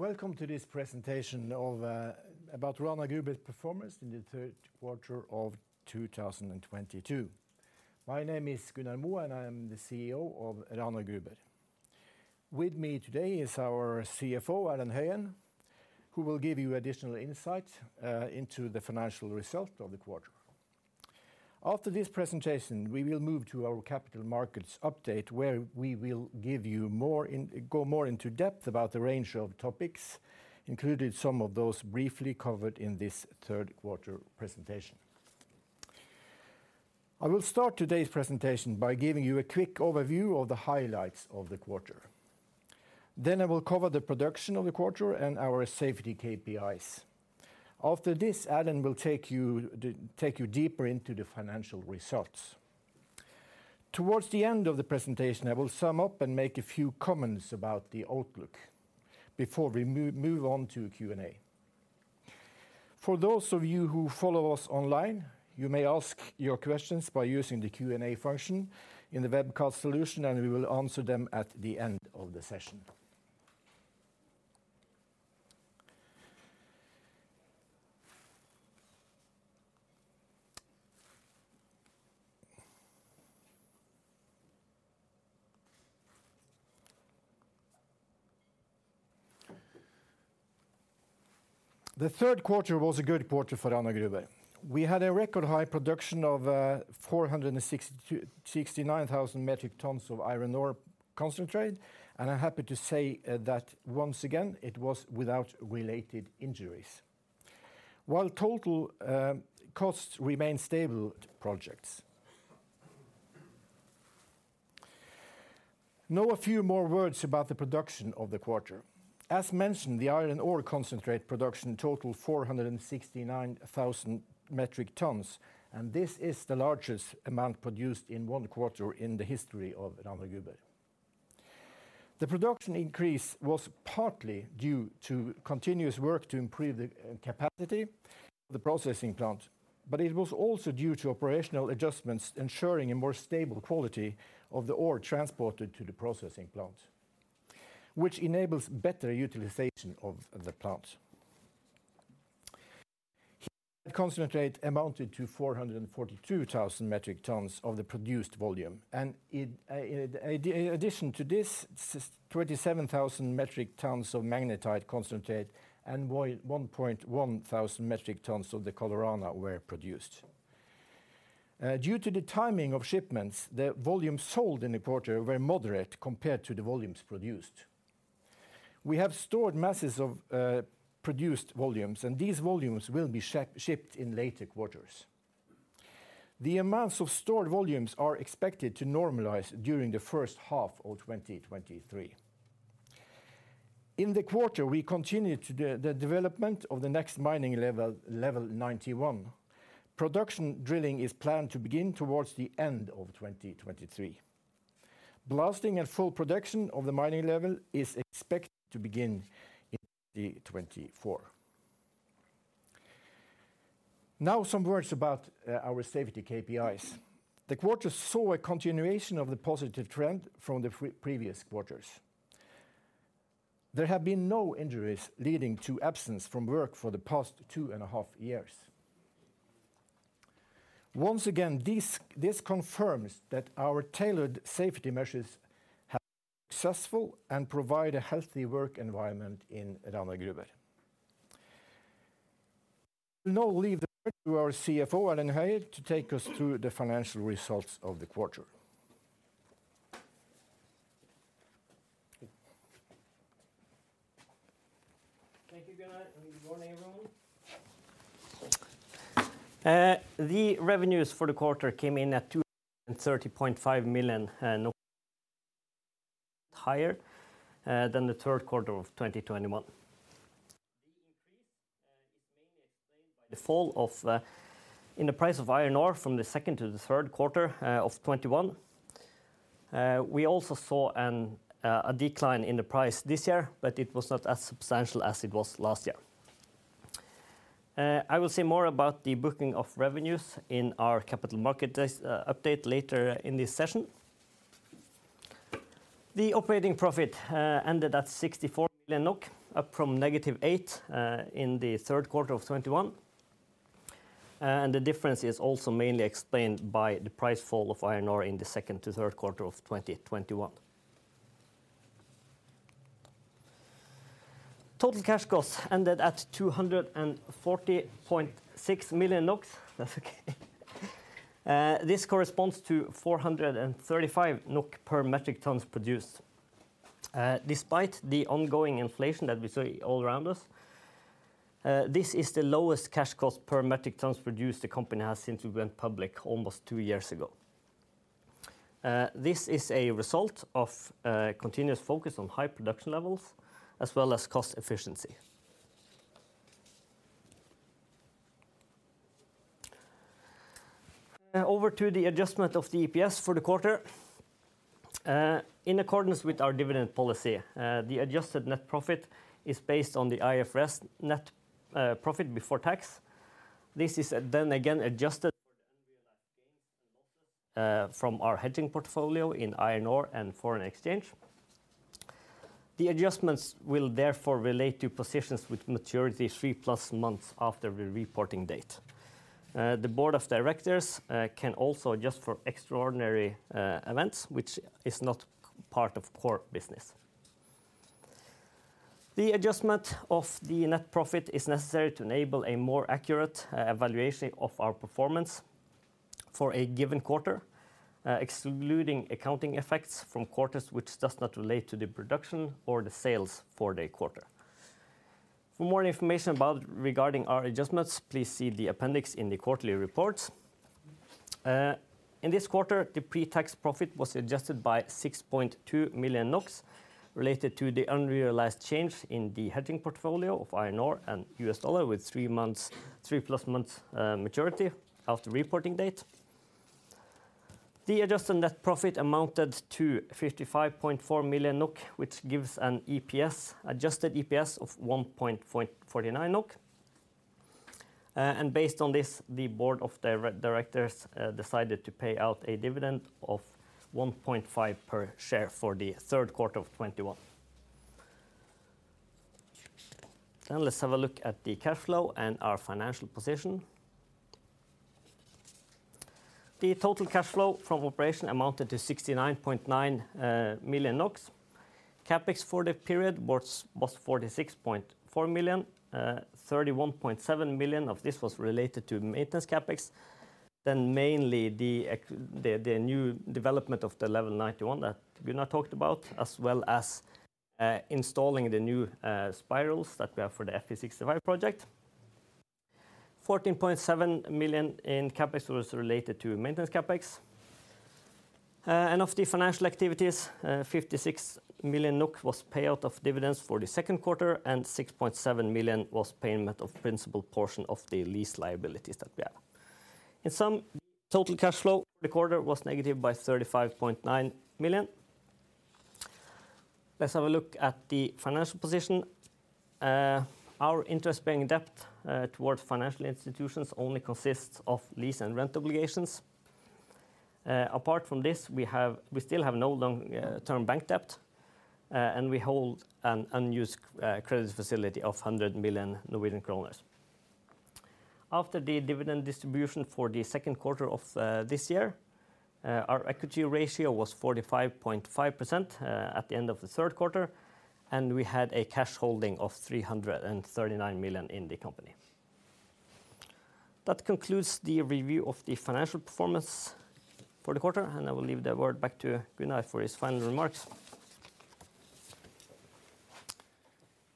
Welcome to this presentation about Rana Gruber's performance in the Q3 of 2022. My name is Gunnar Moe, and I am the CEO of Rana Gruber. With me today is our CFO, Erlend Høyen, who will give you additional insight into the financial result of the quarter. After this presentation, we will move to our capital markets update, where we will give you more go more into depth about the range of topics, including some of those briefly covered in this Q3 presentation. I will start today's presentation by giving you a quick overview of the highlights of the quarter. Then I will cover the production of the quarter and our safety KPIs. After this, Erlend will take you deeper into the financial results. Towards the end of the presentation, I will sum up and make a few comments about the outlook before we move on to Q&A. For those of you who follow us online, you may ask your questions by using the Q&A function in the webcast solution, and we will answer them at the end of the session. The Q3 was a good quarter for Rana Gruber. We had a record high production of 469,000 metric tons of iron ore concentrate, and I'm happy to say that once again, it was without related injuries. While total costs remain stable. Now a few more words about the production of the quarter. As mentioned, the iron ore concentrate production totaled 469,000 metric tons, and this is the largest amount produced in one quarter in the history of Rana Gruber. The production increase was partly due to continuous work to improve the capacity of the processing plant, but it was also due to operational adjustments ensuring a more stable quality of the ore transported to the processing plant, which enables better utilization of the plant. Concentrate amounted to 442,000 metric tons of the produced volume, and in addition to this, 27,000 metric tons of magnetite concentrate and 1,100 metric tons of the Colorana were produced. Due to the timing of shipments, the volume sold in the quarter were moderate compared to the volumes produced. We have stored masses of produced volumes, and these volumes will be shipped in later quarters. The amounts of stored volumes are expected to normalize during the first half of 2023. In the quarter, we continued the development of the next mining level, Level 91. Production drilling is planned to begin towards the end of 2023. Blasting and full production of the mining level is expected to begin in 2024. Now some words about our safety KPIs. The quarter saw a continuation of the positive trend from the previous quarters. There have been no injuries leading to absence from work for the past two and a half years. Once again, this confirms that our tailored safety measures have been successful and provide a healthy work environment in Rana Gruber. I will now leave the word to our CFO, Erlend Høyen, to take us through the financial results of the quarter. Thank you, Gunnar. Good morning, everyone. The revenues for the quarter came in at 230.5 million. Higher than the Q3 of 2021. fall in the price of iron ore from the Q2 to the Q3 of 2021. We also saw a decline in the price this year, but it was not as substantial as it was last year. I will say more about the booking of revenues in our capital markets update later in this session. The operating profit ended at 64 million NOK, up from negative eight in the Q3 of 2021. The difference is also mainly explained by the fall in the price of iron ore in the Q2 to Q3 of 2021. Total cash costs ended at 240.6 million NOK. That's okay. This corresponds to 435 NOK per metric ton produced. Despite the ongoing inflation that we see all around us, this is the lowest cash cost per metric ton produced the company has since we went public almost two years ago. This is a result of continuous focus on high production levels as well as cost efficiency. Over to the adjustment of the EPS for the quarter. In accordance with our dividend policy, the adjusted net profit is based on the IFRS net profit before tax. This is then again adjusted from our hedging portfolio in iron ore and foreign exchange. The adjustments will therefore relate to positions with maturity three-plus months after the reporting date. The board of directors can also adjust for extraordinary events which is not part of core business. The adjustment of the net profit is necessary to enable a more accurate evaluation of our performance for a given quarter, excluding accounting effects from quarters which does not relate to the production or the sales for the quarter. For more information regarding our adjustments, please see the appendix in the quarterly reports. In this quarter, the pre-tax profit was adjusted by 6.2 million NOK related to the unrealized change in the hedging portfolio of iron ore and U.S. dollar with three-plus months maturity after reporting date. The adjusted net profit amounted to 55.4 million NOK, which gives an EPS, adjusted EPS of 1.49 NOK. Based on this, the board of directors decided to pay out a dividend of 1.5 per share for the Q3 of 2021. Let's have a look at the cash flow and our financial position. The total cash flow from operation amounted to 69.9 million NOK. CapEx for the period was 46.4 million. 31.7 million of this was related to maintenance CapEx. Mainly the new development of the Level 91 that Gunnar talked about, as well as installing the new spirals that we have for the Fe65 project. 14.7 million in CapEx was related to maintenance CapEx. Of the financial activities, 56 million NOK was payout of dividends for the Q2, and 6.7 million was payment of principal portion of the lease liabilities that we have. In sum, total cash flow for the quarter was negative by 35.9 million. Let's have a look at the financial position. Our interest-bearing debt towards financial institutions only consists of lease and rent obligations. Apart from this, we still have no long-term bank debt, and we hold an unused credit facility of 100 million Norwegian kroner. After the dividend distribution for the Q2 of this year, our equity ratio was 45.5% at the end of the Q3, and we had a cash holding of 339 million in the company. That concludes the review of the financial performance for the quarter, and I will leave the word back to Gunnar for his final remarks.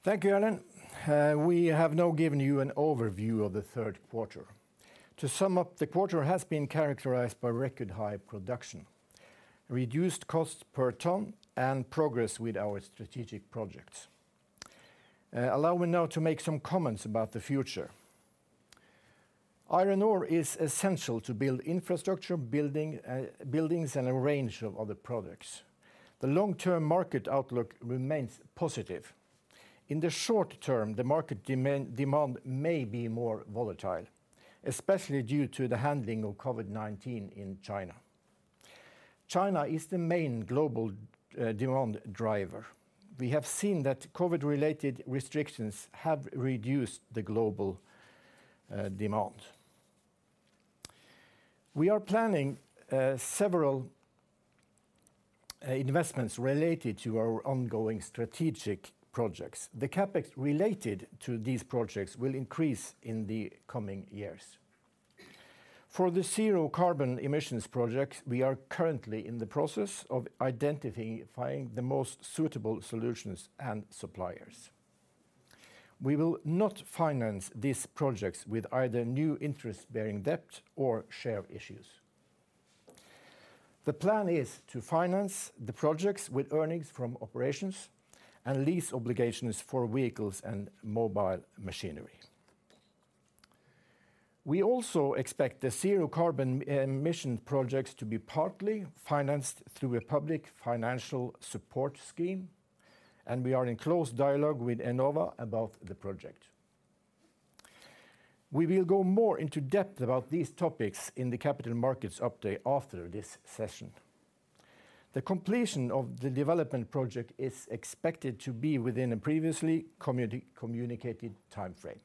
Thank you, Erlend. We have now given you an overview of the Q3. To sum up, the quarter has been characterized by record high production, reduced cost per ton, and progress with our strategic projects. Allow me now to make some comments about the future. Iron ore is essential to build infrastructure, buildings, and a range of other products. The long-term market outlook remains positive. In the short term, the market demand may be more volatile, especially due to the handling of COVID-19 in China. China is the main global demand driver. We have seen that COVID-related restrictions have reduced the global demand. We are planning several investments related to our ongoing strategic projects. The CapEx related to these projects will increase in the coming years. For the zero carbon emissions project, we are currently in the process of identifying the most suitable solutions and suppliers. We will not finance these projects with either new interest-bearing debt or share issues. The plan is to finance the projects with earnings from operations and lease obligations for vehicles and mobile machinery. We also expect the zero carbon emission projects to be partly financed through a public financial support scheme, and we are in close dialogue with Enova about the project. We will go more into depth about these topics in the capital markets update after this session. The completion of the development project is expected to be within a previously communicated timeframe.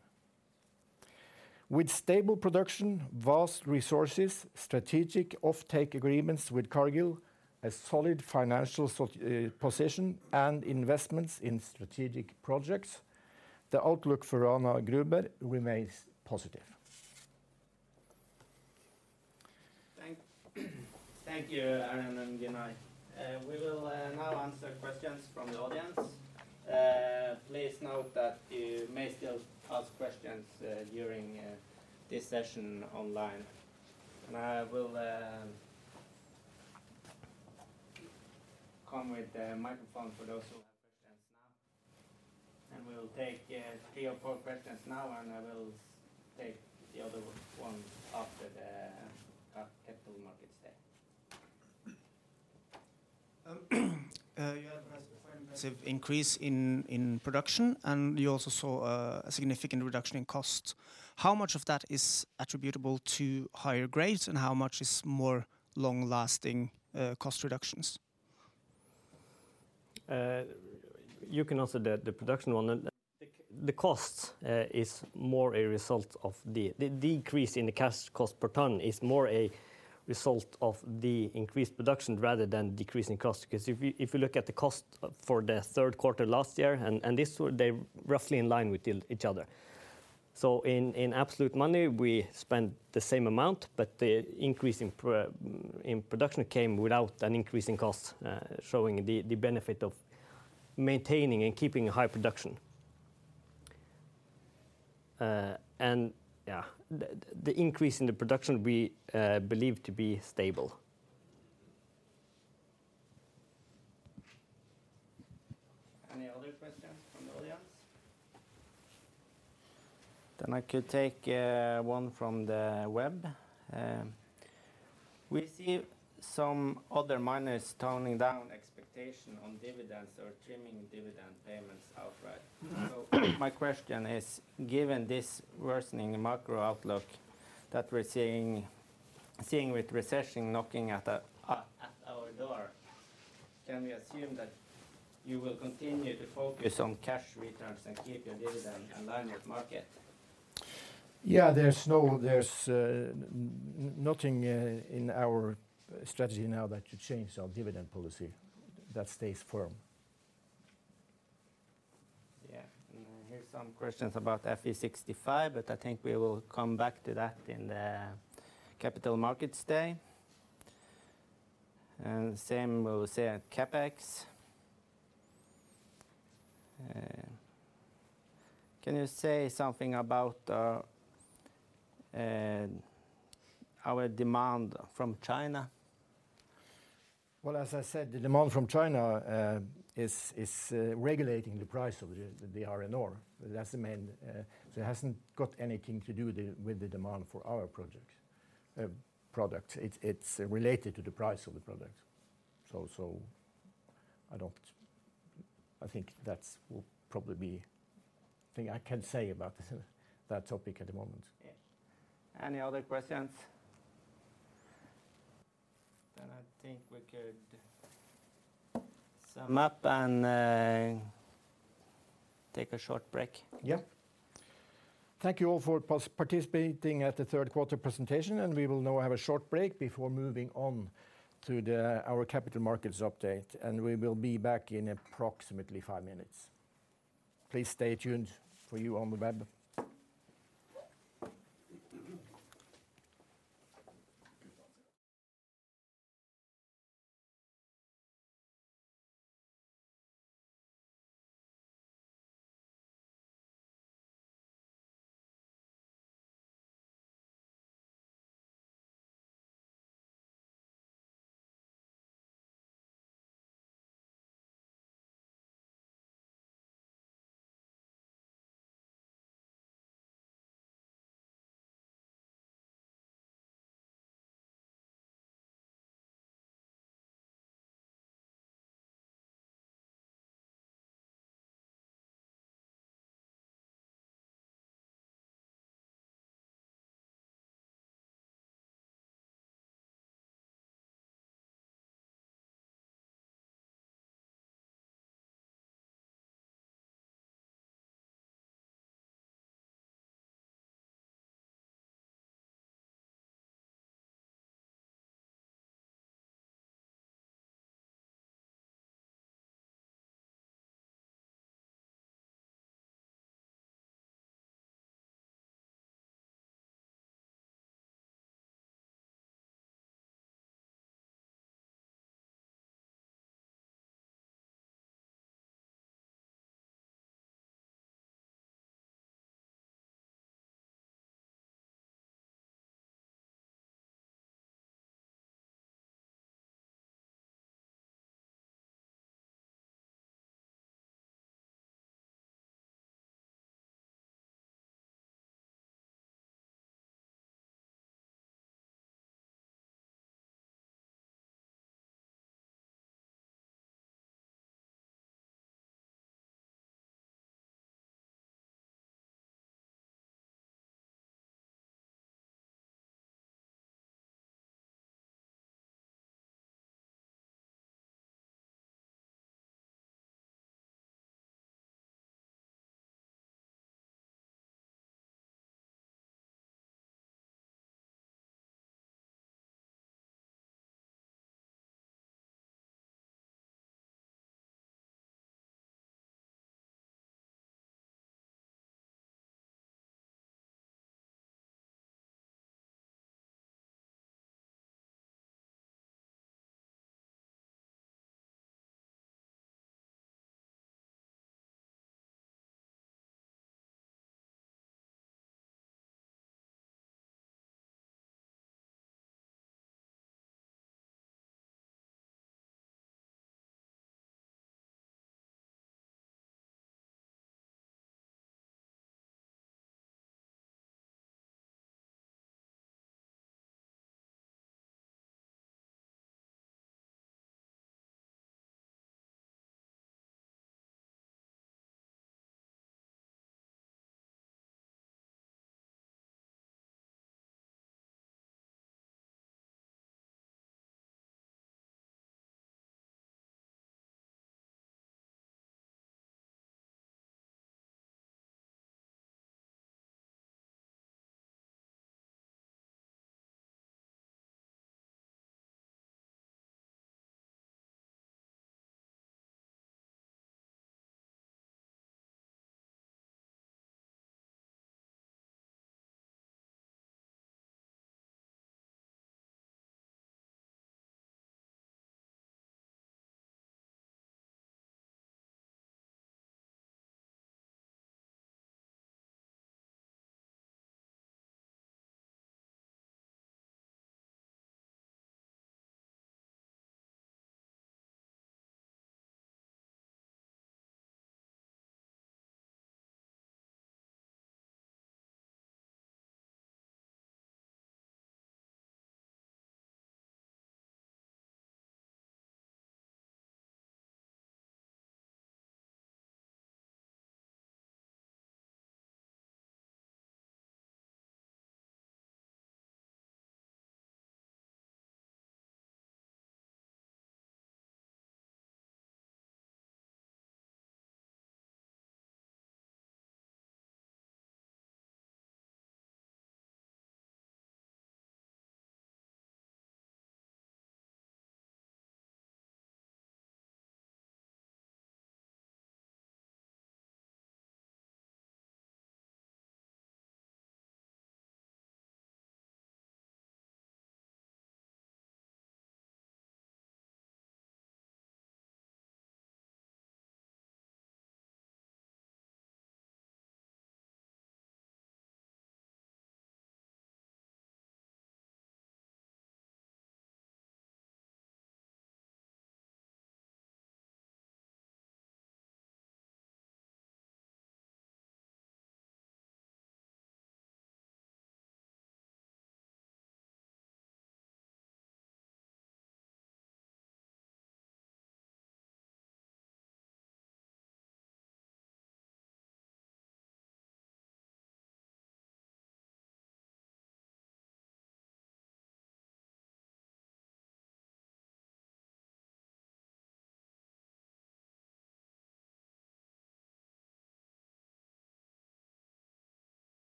With stable production, vast resources, strategic offtake agreements with Cargill, a solid financial position, and investments in strategic projects, the outlook for Rana Gruber remains positive. Thank you, Erlend Høyen and Gunnar Moe. We will now answer questions from the audience. Please note that you may still ask questions during this session online. I will come with a microphone for those who have questions now. We will take three or four questions now, and I will take the other one after the capital markets day. You had a quite impressive increase in production, and you also saw a significant reduction in cost. How much of that is attributable to higher grades, and how much is more long-lasting cost reductions? You can answer the production one. The decrease in the cash cost per ton is more a result of the increased production rather than decrease in cost. Because if you look at the cost for the Q3 last year, they're roughly in line with the other. In absolute money, we spent the same amount, but the increase in production came without an increase in cost, showing the benefit of maintaining and keeping high production. The increase in the production we believe to be stable. Any other questions from the audience? I could take one from the web. We see some other miners toning down expectation on dividends or trimming dividend payments outright. My question is, given this worsening macro outlook that we're seeing with recession knocking at our door, can we assume that you will continue to focus on cash returns and keep your dividend in line with market? Yeah. There's nothing in our strategy now that should change our dividend policy. That stays firm. Yeah. Here's some questions about Fe65, but I think we will come back to that in the Capital Markets Day. Same, we'll say on CapEx. Can you say something about our demand from China? Well, as I said, the demand from China is regulating the price of the iron ore. That's the main. It hasn't got anything to do with the demand for our product. It's related to the price of the product. I think that's all I can say about this topic at the moment. Yes. Any other questions? I think we could sum up and take a short break. Yeah. Thank you all for participating at the Q3 presentation, and we will now have a short break before moving on to our capital markets update, and we will be back in approximately five minutes. Please stay tuned for you on the web.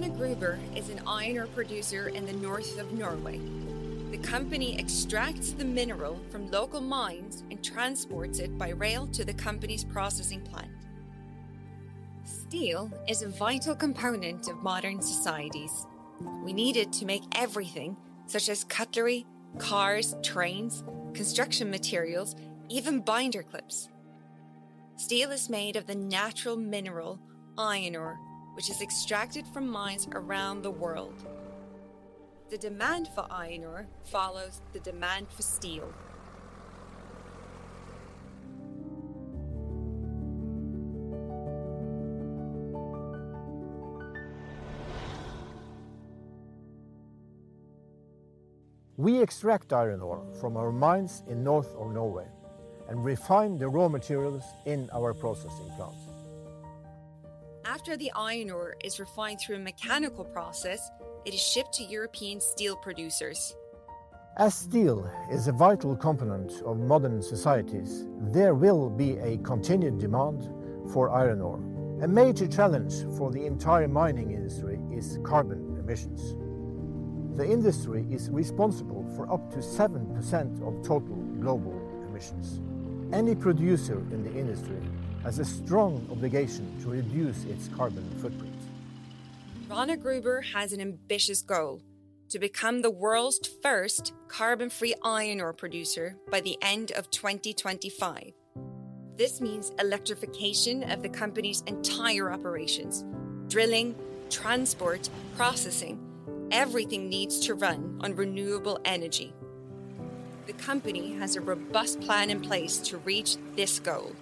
Rana Gruber is an iron ore producer in the north of Norway. The company extracts the mineral from local mines and transports it by rail to the company's processing plant. Steel is a vital component of modern societies. We need it to make everything, such as cutlery, cars, trains, construction materials, even binder clips. Steel is made of the natural mineral iron ore, which is extracted from mines around the world. The demand for iron ore follows the demand for steel. We extract iron ore from our mines in north of Norway and refine the raw materials in our processing plant. After the iron ore is refined through a mechanical process, it is shipped to European steel producers. As steel is a vital component of modern societies, there will be a continued demand for iron ore. A major challenge for the entire mining industry is carbon emissions. The industry is responsible for up to 7% of total global emissions. Any producer in the industry has a strong obligation to reduce its carbon footprint. Rana Gruber has an ambitious goal to become the world's first carbon-free iron ore producer by the end of 2025. This means electrification of the company's entire operations. Drilling, transport, processing, everything needs to run on renewable energy. The company has a robust plan in place to reach this goal.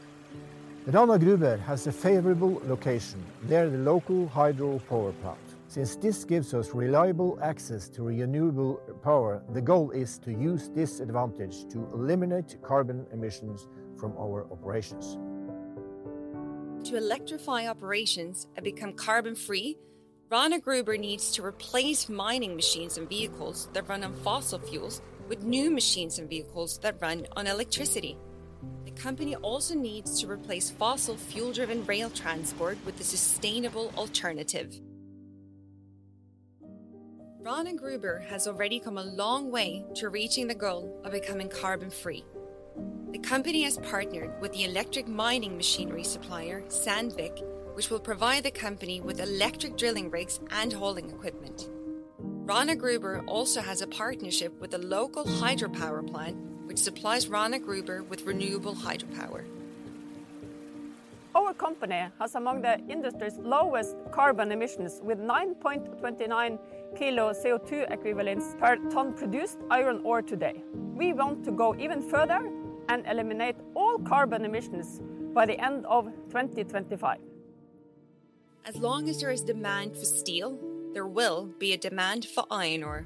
Rana Gruber has a favorable location near the local hydro power plant. Since this gives us reliable access to renewable power, the goal is to use this advantage to eliminate carbon emissions from our operations. To electrify operations and become carbon free, Rana Gruber needs to replace mining machines and vehicles that run on fossil fuels with new machines and vehicles that run on electricity. The company also needs to replace fossil fuel-driven rail transport with a sustainable alternative. Rana Gruber has already come a long way to reaching the goal of becoming carbon free. The company has partnered with the electric mining machinery supplier, Sandvik, which will provide the company with electric drilling rigs and hauling equipment. Rana Gruber also has a partnership with a local hydropower plant, which supplies Rana Gruber with renewable hydropower. Our company has among the industry's lowest carbon emissions with 9.29 kg CO2 equivalents per ton produced iron ore today. We want to go even further and eliminate all carbon emissions by the end of 2025. As long as there is demand for steel, there will be a demand for iron ore.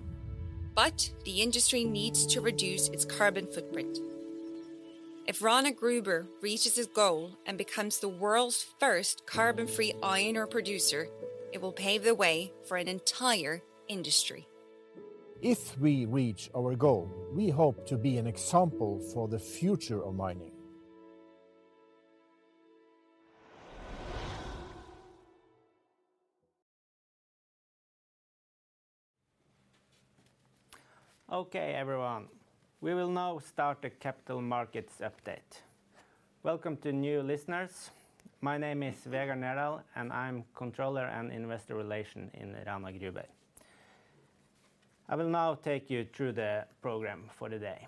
The industry needs to reduce its carbon footprint. If Rana Gruber reaches its goal and becomes the world's first carbon-free iron ore producer, it will pave the way for an entire industry. If we reach our goal, we hope to be an example for the future of mining. Okay, everyone. We will now start the capital markets update. Welcome to new listeners. My name is Vegard Nerdal, and I'm Controller and Investor Relations in Rana Gruber. I will now take you through the program for today.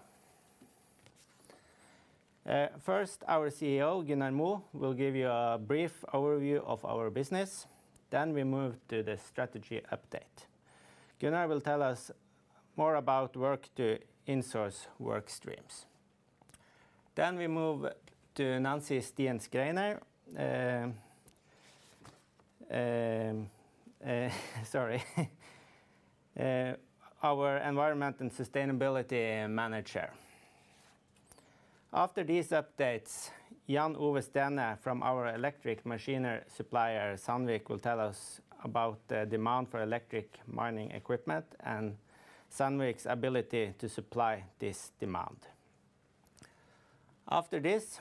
First, our CEO, Gunnar Moe, will give you a brief overview of our business. We move to the strategy update. Gunnar will tell us more about work to insource work streams. We move to Nancy Stien Schreiner, our Environment and Sustainability Manager. After these updates, Jan Ove Stene from our electric machinery supplier, Sandvik, will tell us about the demand for electric mining equipment and Sandvik's ability to supply this demand. After this,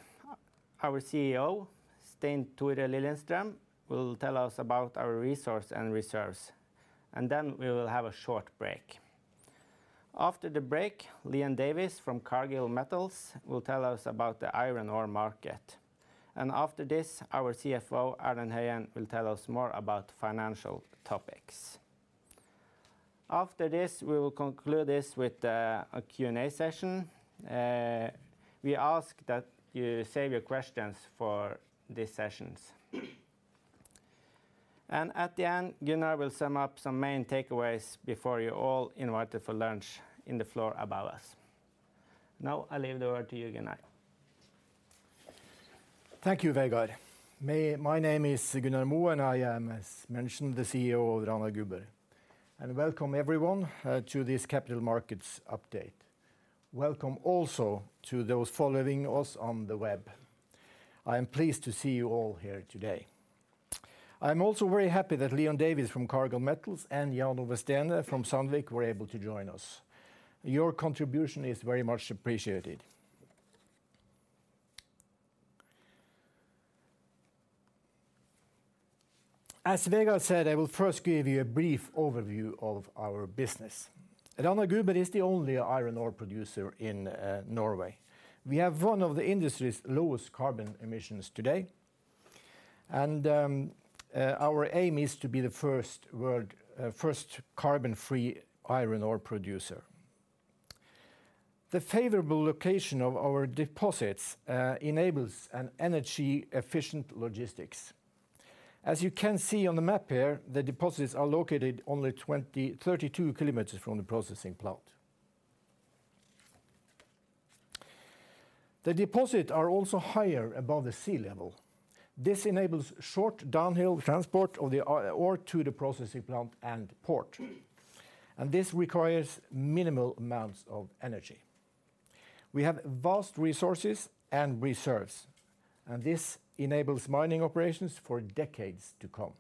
our COO, Stein Tore Liljenström, will tell us about our resource and reserves, and then we will have a short break. After the break, Leon Davies from Cargill Metals will tell us about the iron ore market. After this, our CFO, Erlend Høyen, will tell us more about financial topics. After this, we will conclude this with a Q&A session. We ask that you save your questions for these sessions. At the end, Gunnar Moe will sum up some main takeaways before you're all invited for lunch in the floor above us. Now, I leave the word to you, Gunnar Moe. Thank you, Vegard. My name is Gunnar Moe, and I am, as mentioned, the CEO of Rana Gruber. Welcome, everyone, to this capital markets update. Welcome also to those following us on the web. I am pleased to see you all here today. I'm also very happy that Leon Davies from Cargill Metals and Jan Ove Stene from Sandvik were able to join us. Your contribution is very much appreciated. As Vegard said, I will first give you a brief overview of our business. Rana Gruber is the only iron ore producer in Norway. We have one of the industry's lowest carbon emissions today, and our aim is to be the first carbon-free iron ore producer. The favorable location of our deposits enables an energy-efficient logistics. As you can see on the map here, the deposits are located only 32 kilometers from the processing plant. The deposits are also higher above the sea level. This enables short downhill transport of the ore to the processing plant and port. This requires minimal amounts of energy. We have vast resources and reserves, and this enables mining operations for decades to come.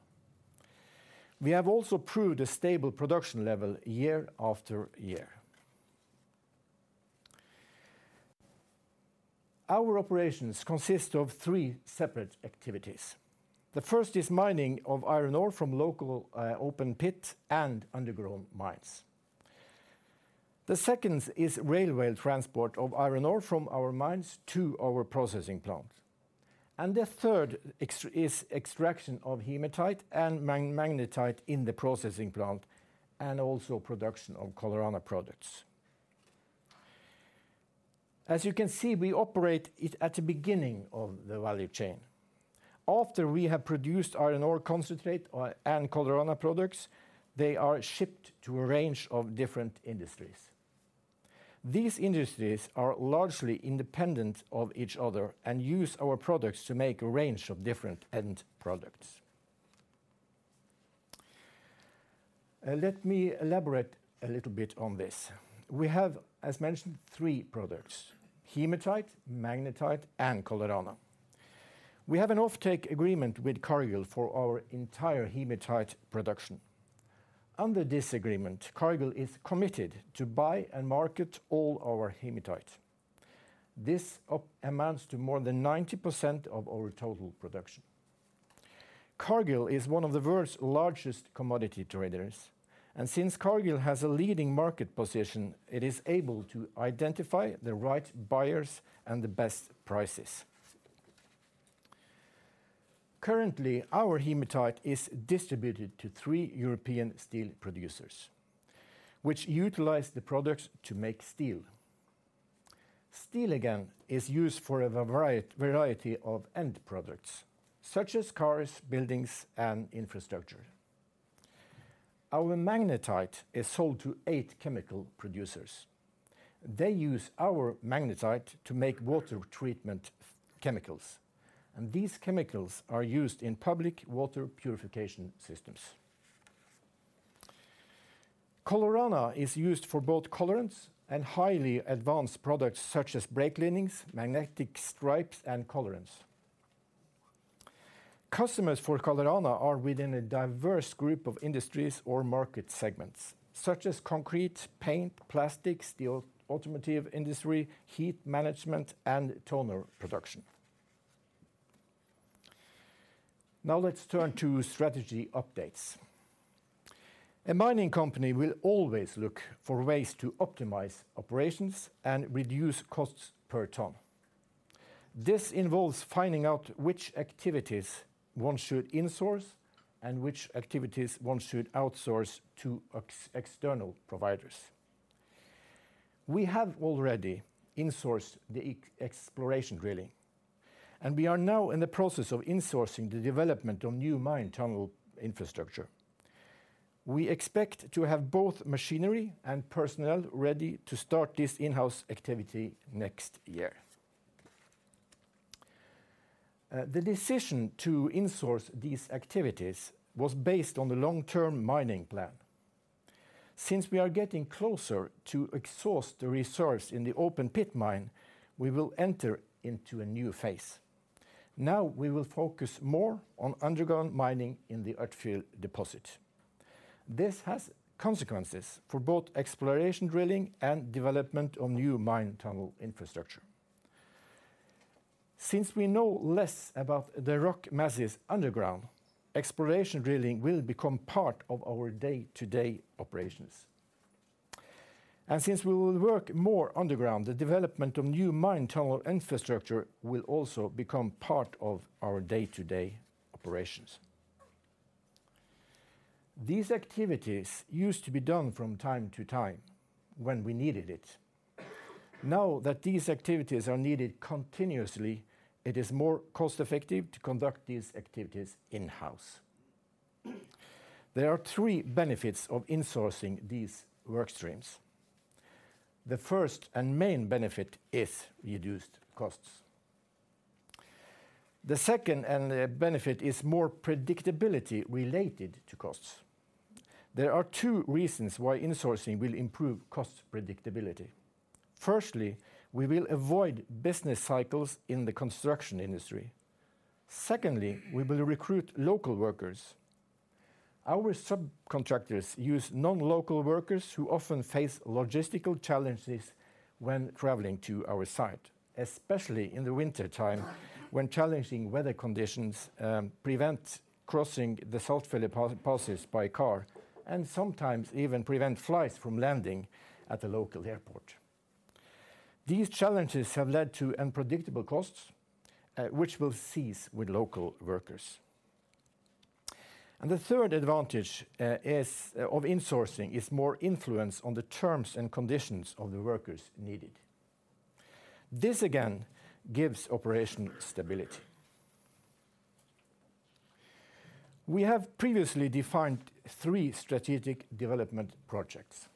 We have also proved a stable production level year after year. Our operations consist of three separate activities. The first is mining of iron ore from local open pit and underground mines. The second is railway transport of iron ore from our mines to our processing plant. The third is extraction of Hematite and Magnetite in the processing plant, and also production of Colorana products. As you can see, we operate it at the beginning of the value chain. After we have produced iron ore concentrate and Colorana products, they are shipped to a range of different industries. These industries are largely independent of each other and use our products to make a range of different end products. Let me elaborate a little bit on this. We have, as mentioned, three products, Hematite, Magnetite, and Colorana. We have an offtake agreement with Cargill for our entire Hematite production. Under this agreement, Cargill is committed to buy and market all our Hematite. This amounts to more than 90% of our total production. Cargill is one of the world's largest commodity traders, and since Cargill has a leading market position, it is able to identify the right buyers and the best prices. Currently, our Hematite is distributed to three European steel producers, which utilize the products to make steel. Steel, again, is used for a variety of end products, such as cars, buildings, and infrastructure. Our Magnetite is sold to eight chemical producers. They use our Magnetite to make water treatment chemicals, and these chemicals are used in public water purification systems. Colorana is used for both colorants and highly advanced products such as brake linings, magnetic stripes, and colorants. Customers for Colorana are within a diverse group of industries or market segments, such as concrete, paint, plastics, the automotive industry, heat management, and toner production. Now let's turn to strategy updates. A mining company will always look for ways to optimize operations and reduce costs per ton. This involves finding out which activities one should insource and which activities one should outsource to external providers. We have already insourced the exploration drilling, and we are now in the process of insourcing the development of new mine tunnel infrastructure. We expect to have both machinery and personnel ready to start this in-house activity next year. The decision to insource these activities was based on the long-term mining plan. Since we are getting closer to exhaust the resource in the open pit mine, we will enter into a new phase. Now we will focus more on underground mining in the Ørtfjell deposit. This has consequences for both exploration drilling and development of new mine tunnel infrastructure. Since we know less about the rock masses underground, exploration drilling will become part of our day-to-day operations. Since we will work more underground, the development of new mine tunnel infrastructure will also become part of our day-to-day operations. These activities used to be done from time to time when we needed it. Now that these activities are needed continuously, it is more cost-effective to conduct these activities in-house. There are three benefits of insourcing these work streams. The first and main benefit is reduced costs. The second and benefit is more predictability related to costs. There are two reasons why insourcing will improve cost predictability. Firstly, we will avoid business cycles in the construction industry. Secondly, we will recruit local workers. Our subcontractors use non-local workers who often face logistical challenges when traveling to our site, especially in the wintertime when challenging weather conditions prevent crossing the Saltfjellet passes by car, and sometimes even prevent flights from landing at the local airport. These challenges have led to unpredictable costs, which will cease with local workers. The third advantage of insourcing is more influence on the terms and conditions of the workers needed. This again gives operational stability. We have previously defined three strategic development projects.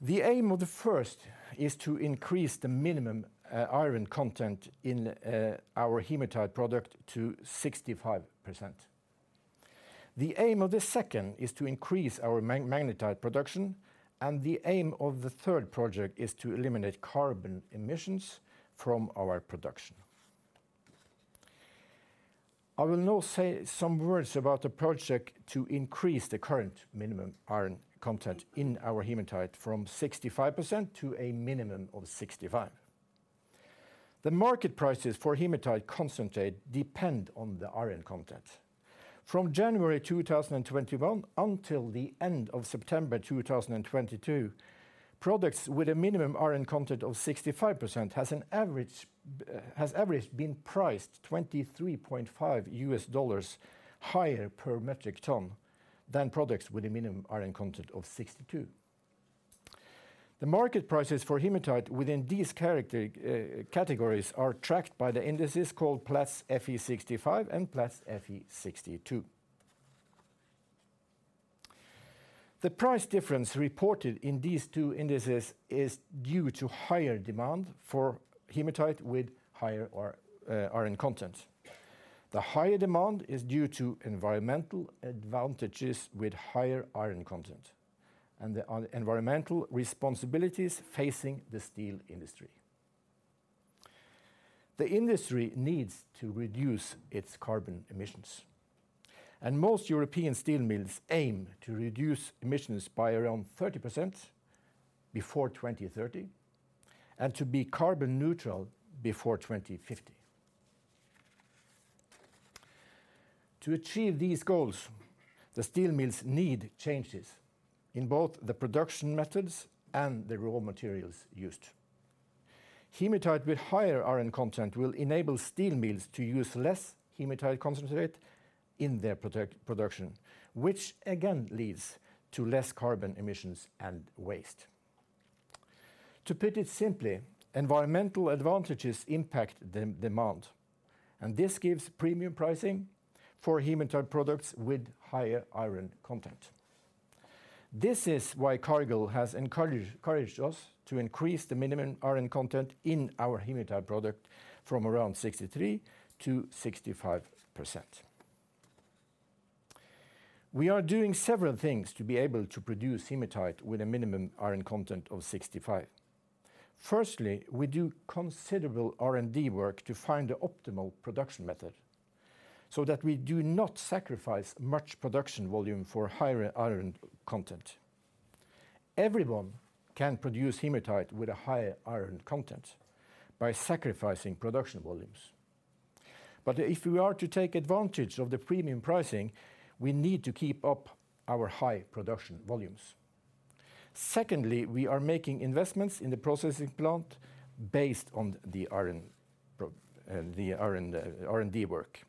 The aim of the first is to increase the minimum iron content in our Hematite product to 65%. The aim of the second is to increase our Magnetite production, and the aim of the third project is to eliminate carbon emissions from our production. I will now say some words about the project to increase the current minimum iron content in our Hematite from 65% to a minimum of 65%. The market prices for Hematite concentrate depend on the iron content. From January 2021 until the end of September 2022, products with a minimum iron content of 65% has on average been priced $23.5 higher per metric ton than products with a minimum iron content of 62%. The market prices for hematite within these characteristic categories are tracked by the indices called Platts 65% Fe and Platts 62% Fe. The price difference reported in these two indices is due to higher demand for hematite with higher iron content. The higher demand is due to environmental advantages with higher iron content and the environmental responsibilities facing the steel industry. The industry needs to reduce its carbon emissions, and most European steel mills aim to reduce emissions by around 30% before 2030 and to be carbon neutral before 2050. To achieve these goals, the steel mills need changes in both the production methods and the raw materials used. Hematite with higher iron content will enable steel mills to use less hematite concentrate in their production, which again leads to less carbon emissions and waste. To put it simply, environmental advantages impact demand, and this gives premium pricing for hematite products with higher iron content. This is why Cargill has encouraged us to increase the minimum iron content in our hematite product from around 63% to 65%. We are doing several things to be able to produce hematite with a minimum iron content of 65%. Firstly, we do considerable R&D work to find the optimal production method so that we do not sacrifice much production volume for higher iron content. Everyone can produce hematite with a higher iron content by sacrificing production volumes. If we are to take advantage of the premium pricing, we need to keep up our high production volumes. Secondly, we are making investments in the processing plant based on the R&D work.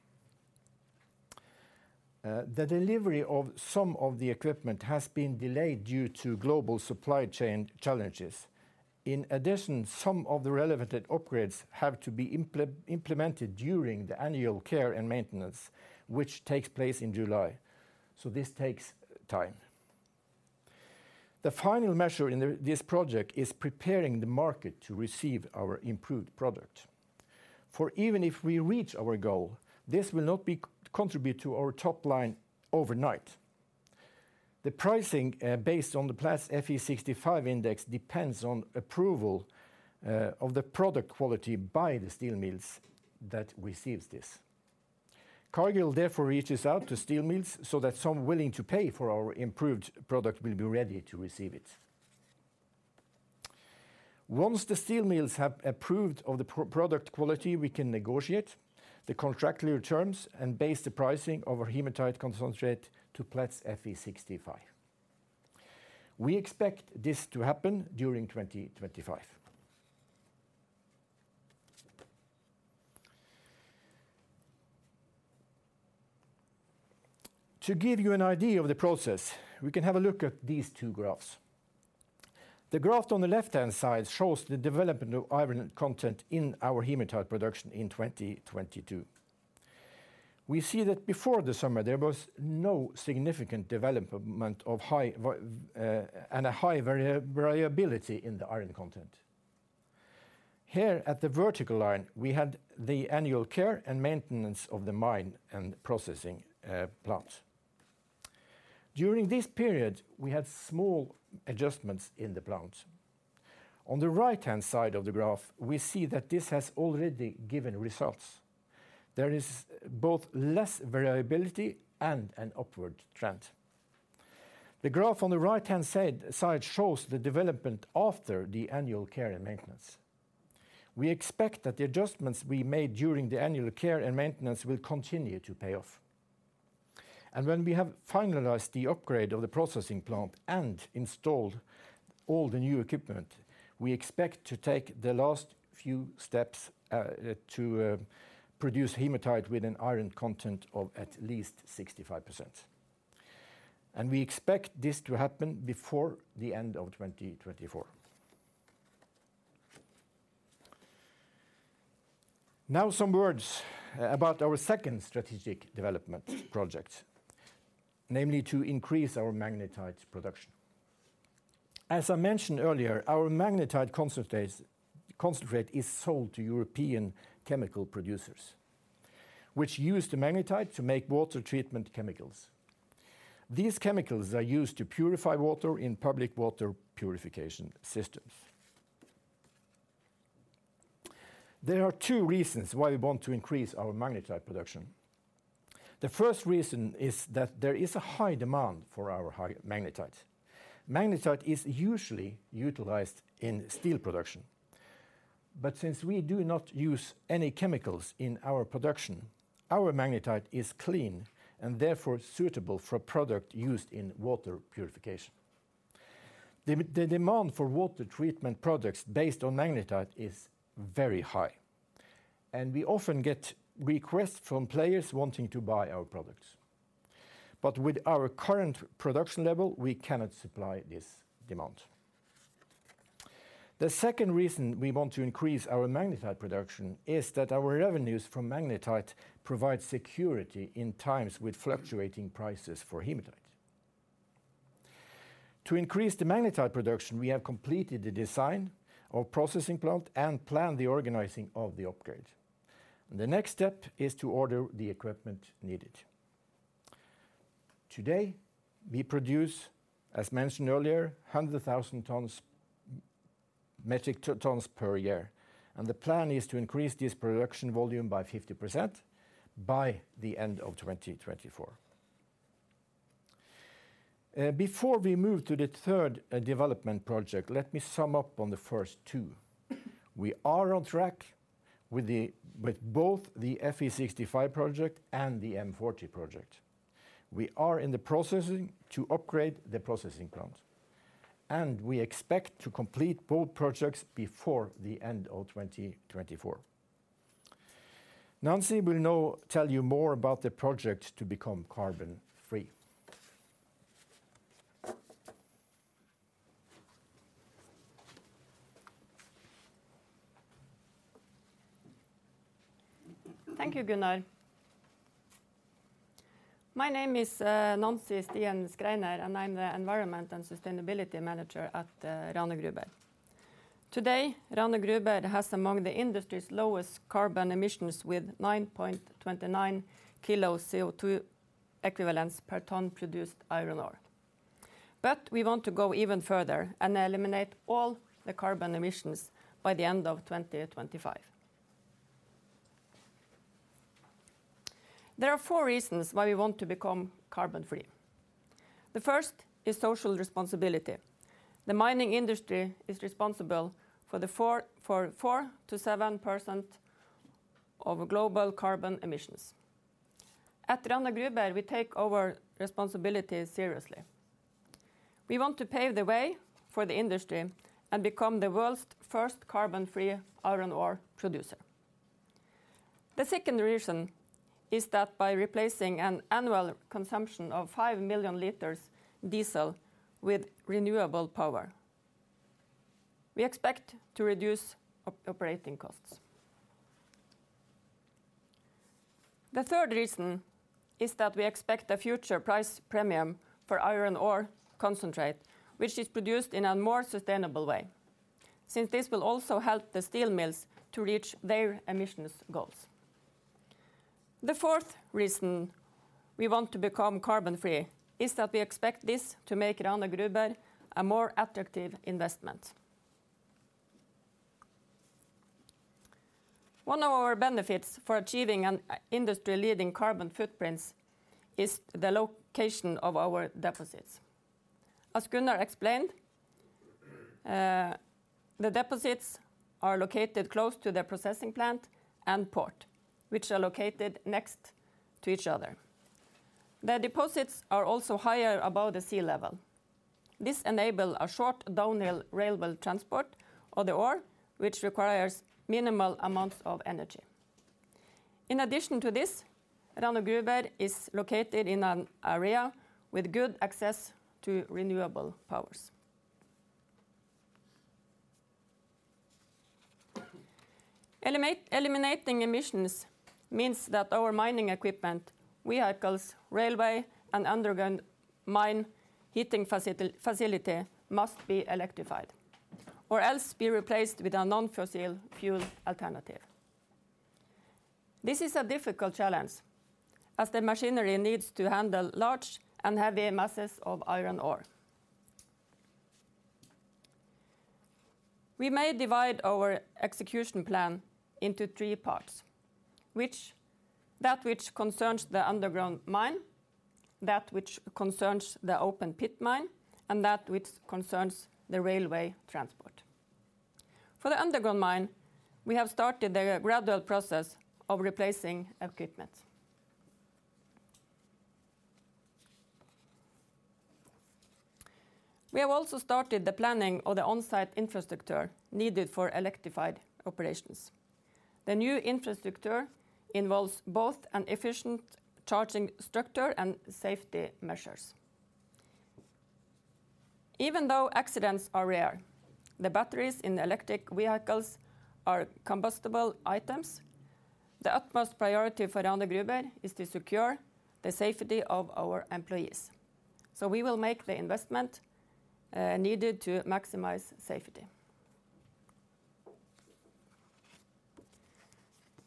The delivery of some of the equipment has been delayed due to global supply chain challenges. In addition, some of the relevant upgrades have to be implemented during the annual care and maintenance, which takes place in July, so this takes time. The final measure in this project is preparing the market to receive our improved product. For even if we reach our goal, this will not contribute to our top line overnight. The pricing based on the Platts 65% Fe index depends on approval of the product quality by the steel mills that receives this. Cargill therefore reaches out to steel mills so that some willing to pay for our improved product will be ready to receive it. Once the steel mills have approved of the product quality, we can negotiate the contractual terms and base the pricing of our hematite concentrate to Platts 65% Fe. We expect this to happen during 2025. To give you an idea of the process, we can have a look at these two graphs. The graph on the left-hand side shows the development of iron content in our hematite production in 2022. We see that before the summer, there was no significant development and a high variability in the iron content. Here at the vertical line, we had the annual care and maintenance of the mine and processing plant. During this period, we had small adjustments in the plant. On the right-hand side of the graph, we see that this has already given results. There is both less variability and an upward trend. The graph on the right-hand side shows the development after the annual care and maintenance. We expect that the adjustments we made during the annual care and maintenance will continue to pay off. When we have finalized the upgrade of the processing plant and installed all the new equipment, we expect to take the last few steps to produce hematite with an iron content of at least 65%, and we expect this to happen before the end of 2024. Now some words about our second strategic development project, namely to increase our magnetite production. As I mentioned earlier, our magnetite concentrate is sold to European chemical producers, which use the magnetite to make water treatment chemicals. These chemicals are used to purify water in public water purification systems. There are two reasons why we want to increase our magnetite production. The first reason is that there is a high demand for our high Magnetite. Magnetite is usually utilized in steel production, but since we do not use any chemicals in our production, our Magnetite is clean and therefore suitable for product used in water purification. The demand for water treatment products based on Magnetite is very high, and we often get requests from players wanting to buy our products. With our current production level, we cannot supply this demand. The second reason we want to increase our Magnetite production is that our revenues from Magnetite provide security in times with fluctuating prices for Hematite. To increase the Magnetite production, we have completed the design of processing plant and planned the organizing of the upgrade. The next step is to order the equipment needed. Today, we produce, as mentioned earlier, 100,000 metric tons per year, and the plan is to increase this production volume by 50% by the end of 2024. Before we move to the third development project, let me sum up on the first two. We are on track with both the Fe65 Project and the M40 Project. We are in the process to upgrade the processing plant, and we expect to complete both projects before the end of 2024. Nancy will now tell you more about the project to become carbon-free. Thank you, Gunnar. My name is Nancy Stien Schreiner, and I'm the Environment and Sustainability Manager at Rana Gruber. Today, Rana Gruber has among the industry's lowest carbon emissions with 9.29 kg CO2 equivalents per ton produced iron ore. We want to go even further and eliminate all the carbon emissions by the end of 2025. There are four reasons why we want to become carbon-free. The first is social responsibility. The mining industry is responsible for 4%-7% of global carbon emissions. At Rana Gruber, we take our responsibility seriously. We want to pave the way for the industry and become the world's first carbon-free iron ore producer. The second reason is that by replacing an annual consumption of five million liters diesel with renewable power, we expect to reduce operating costs. The third reason is that we expect a future price premium for iron ore concentrate, which is produced in a more sustainable way, since this will also help the steel mills to reach their emissions goals. The fourth reason we want to become carbon-free is that we expect this to make Rana Gruber a more attractive investment. One of our benefits for achieving an industry-leading carbon footprint is the location of our deposits. As Gunnar explained, the deposits are located close to the processing plant and port, which are located next to each other. The deposits are also higher above sea level. This enables a short downhill railway transport of the ore, which requires minimal amounts of energy. In addition to this, Rana Gruber is located in an area with good access to renewable power. Eliminating emissions means that our mining equipment, vehicles, railway, and underground mine heating facility must be electrified or else be replaced with a non-fossil fuel alternative. This is a difficult challenge, as the machinery needs to handle large and heavy masses of iron ore. We may divide our execution plan into three parts, that which concerns the underground mine, that which concerns the open pit mine, and that which concerns the railway transport. For the underground mine, we have started the gradual process of replacing equipment. We have also started the planning of the on-site infrastructure needed for electrified operations. The new infrastructure involves both an efficient charging structure and safety measures. Even though accidents are rare, the batteries in electric vehicles are combustible items. The utmost priority for Rana Gruber is to secure the safety of our employees. We will make the investment needed to maximize safety.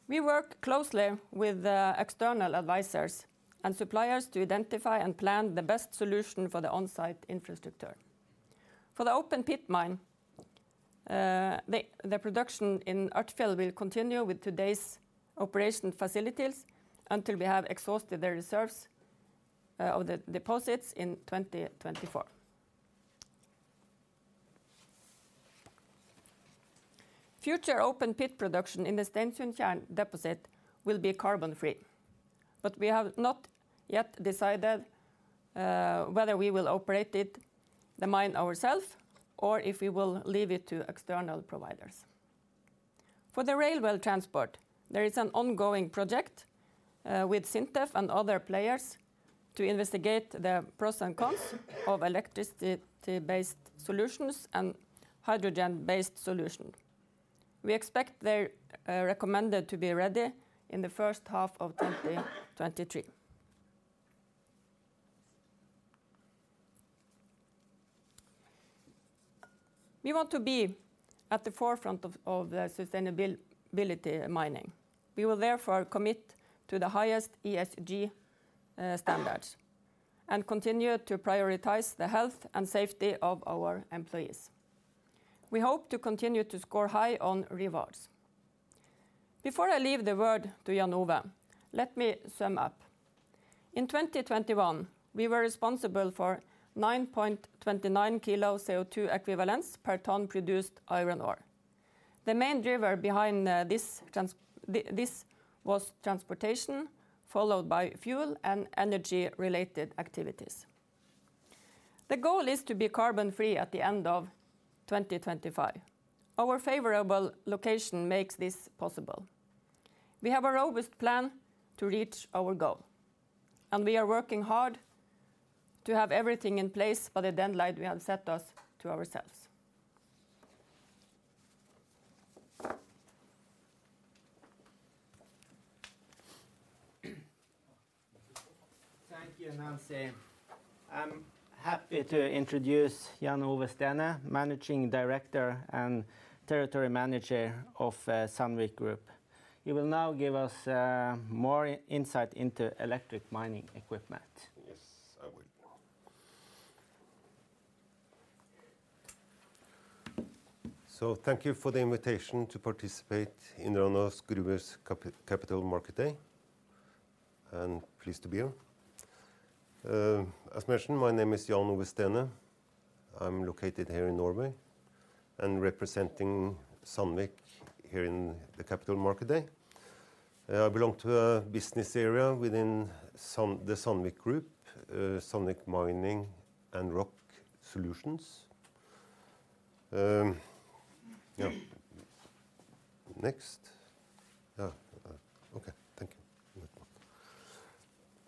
We work closely with the external advisors and suppliers to identify and plan the best solution for the on-site infrastructure. For the open pit mine, the production in Ørtfjell will continue with today's operation facilities until we have exhausted the reserves of the deposits in 2024. Future open pit production in the Stensundtjern deposit will be carbon free. We have not yet decided whether we will operate it, the mine ourselves, or if we will leave it to external providers. For the railway transport, there is an ongoing project with SINTEF and other players to investigate the pros and cons of electricity-based solutions and hydrogen-based solution. We expect their recommendation to be ready in the first half of 2023. We want to be at the forefront of sustainable mining. We will therefore commit to the highest ESG standards and continue to prioritize the health and safety of our employees. We hope to continue to score high on awards. Before I leave the word to Jan Ove, let me sum up. In 2021, we were responsible for 9.29 kg CO2 equivalents per ton produced iron ore. The main driver behind this was transportation, followed by fuel and energy-related activities. The goal is to be carbon-free at the end of 2025. Our favorable location makes this possible. We have a robust plan to reach our goal, and we are working hard to have everything in place for the deadline we have set for ourselves. Thank you, Nancy. I'm happy to introduce Jan Ove Stene, Managing Director and Territory Manager of Sandvik Group. He will now give us more insight into electric mining equipment. Yes, I will. Thank you for the invitation to participate in Rana Gruber's Capital Market Day, and pleased to be here. As mentioned, my name is Jan Ove Stene. I'm located here in Norway and representing Sandvik here in the capital market day. I belong to a business area within the Sandvik Group, Sandvik Mining and Rock Solutions. Thank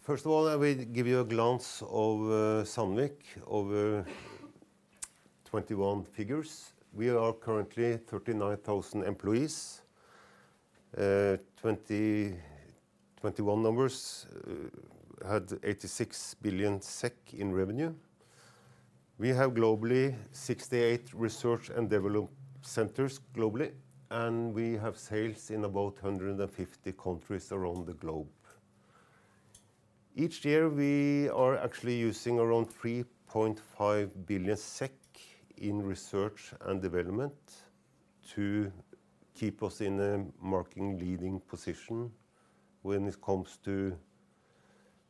you. First of all, I will give you a glance of Sandvik over 2021 figures. We are currently 39,000 employees. 2021 numbers had 86 billion SEK in revenue. We have globally 68 research and development centers globally, and we have sales in about 150 countries around the globe. Each year, we are actually using around 3.5 billion SEK in research and development to keep us in a market leading position when it comes to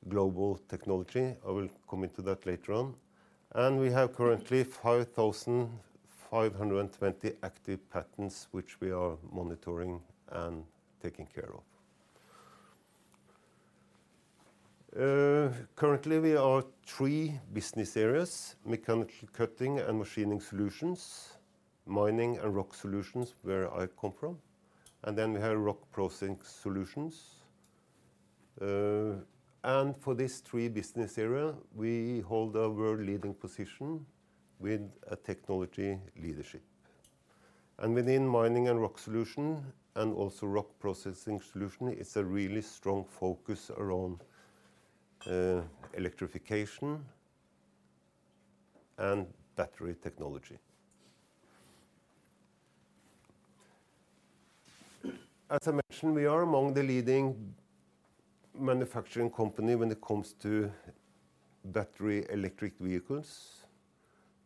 global technology. I will come into that later on. We have currently 5,520 active patents, which we are monitoring and taking care of. Currently, we have three business areas: Sandvik Manufacturing and Machining Solutions, Sandvik Mining and Rock Solutions, where I come from, and then we have Sandvik Rock Processing Solutions. For these three business areas, we hold a world leading position with a technology leadership. Within Sandvik Mining and Rock Solutions, and also Sandvik Rock Processing Solutions, it's a really strong focus around electrification and battery technology. As I mentioned, we are among the leading manufacturing company when it comes to battery electric vehicles,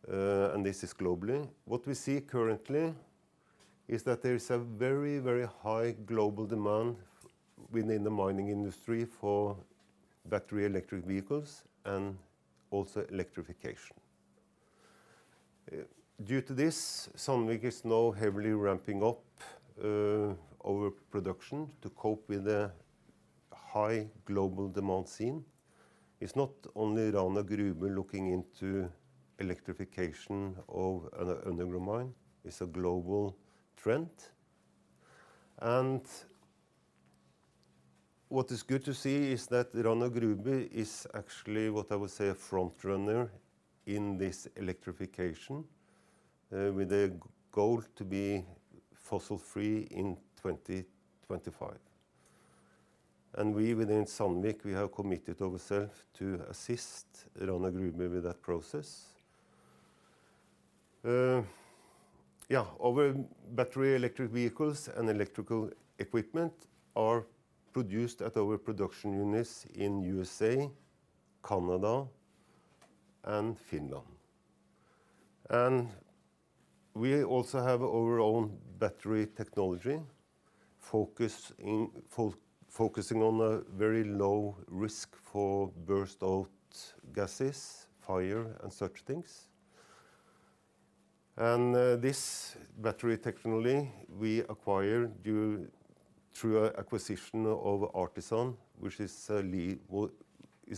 and this is globally. What we see currently is that there is a very, very high global demand within the mining industry for battery electric vehicles and also electrification. Due to this, Sandvik is now heavily ramping up our production to cope with the high global demand seen. It's not only Rana Gruber looking into electrification of an underground mine. It's a global trend. What is good to see is that Rana Gruber is actually, what I would say, a frontrunner in this electrification, with a goal to be fossil-free in 2025. We within Sandvik, we have committed ourselves to assist Rana Gruber with that process. Yeah. Our battery electric vehicles and electrical equipment are produced at our production units in USA, Canada, and Finland. We also have our own battery technology focusing on a very low risk for burst out gases, fire, and such things. This battery technology we acquired through an acquisition of Artisan, which is a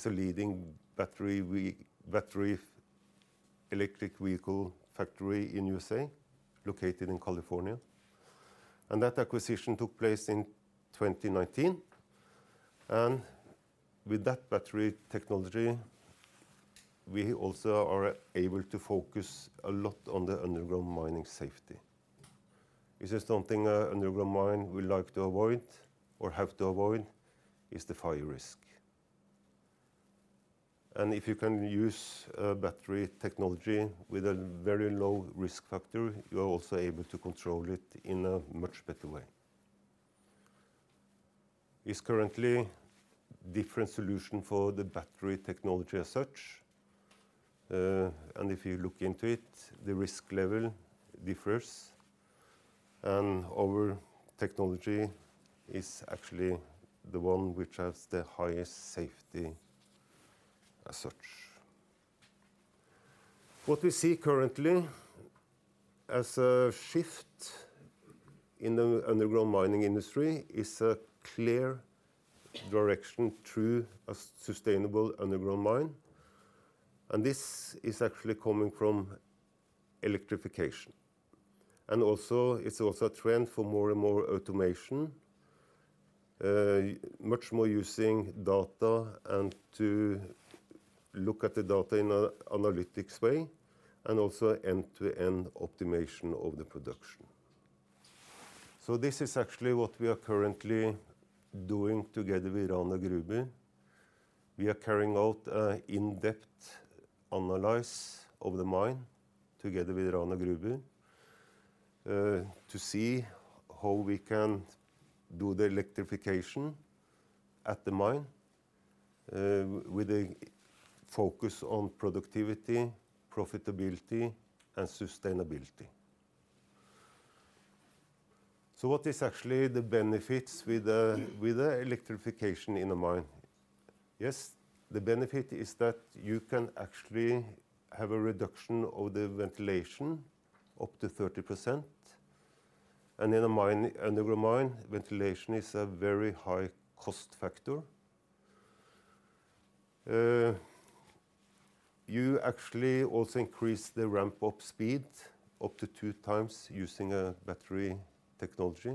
leading battery electric vehicle factory in USA, located in California. That acquisition took place in 2019. With that battery technology, we also are able to focus a lot on the underground mining safety. This is something an underground mine will like to avoid, or have to avoid, is the fire risk. If you can use battery technology with a very low risk factor, you are also able to control it in a much better way. There are currently different solutions for the battery technology as such. If you look into it, the risk level differs. Our technology is actually the one which has the highest safety as such. What we see currently as a shift in the underground mining industry is a clear direction to a sustainable underground mine, and this is actually coming from electrification. It's also a trend for more and more automation, much more using data and to look at the data in a analytics way, and also end-to-end optimization of the production. This is actually what we are currently doing together with Rana Gruber. We are carrying out an in-depth analysis of the mine together with Rana Gruber, to see how we can do the electrification at the mine, with a focus on productivity, profitability, and sustainability. What is actually the benefits with the electrification in the mine? Yes, the benefit is that you can actually have a reduction of the ventilation up to 30%. In a mine, underground mine, ventilation is a very high cost factor. You actually also increase the ramp-up speed up to 2x using a battery technology,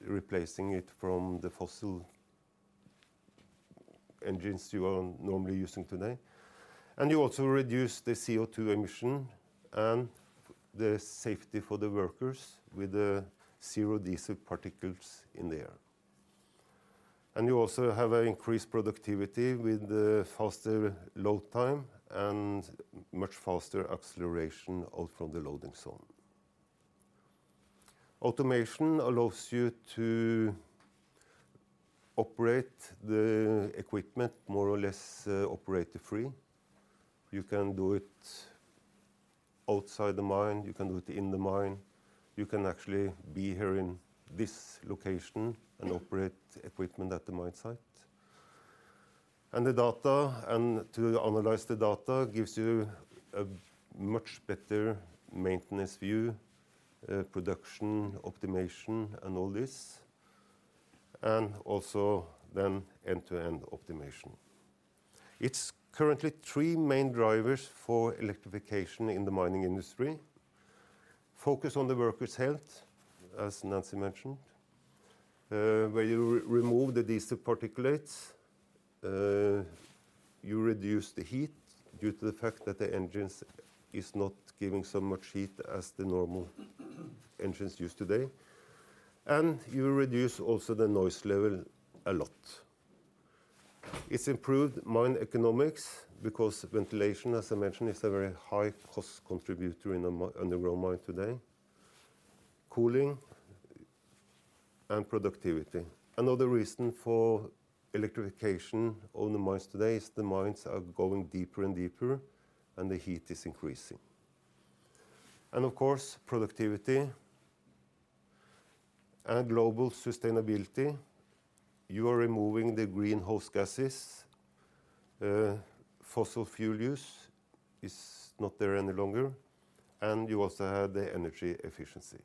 replacing it from the fossil engines you are normally using today. You also reduce the CO2 emission and the safety for the workers with the zero diesel particles in the air. You also have an increased productivity with the faster load time and much faster acceleration out from the loading zone. Automation allows you to operate the equipment more or less, operator-free. You can do it outside the mine, you can do it in the mine, you can actually be here in this location and operate equipment at the mine site. The data, and to analyze the data, gives you a much better maintenance view, production optimization and all this, and also then end-to-end optimization. Its currently three main drivers for electrification in the mining industry. Focus on the workers' health, as Nancy mentioned, where you remove the diesel particulates, you reduce the heat due to the fact that the engines is not giving so much heat as the normal engines used today. You reduce also the noise level a lot. It's improved mine economics because ventilation, as I mentioned, is a very high cost contributor in a underground mine today. Cooling and productivity. Another reason for electrification on the mines today is the mines are going deeper and deeper, and the heat is increasing. Of course, productivity and global sustainability. You are removing the greenhouse gases. Fossil fuel use is not there any longer, and you also have the energy efficiency.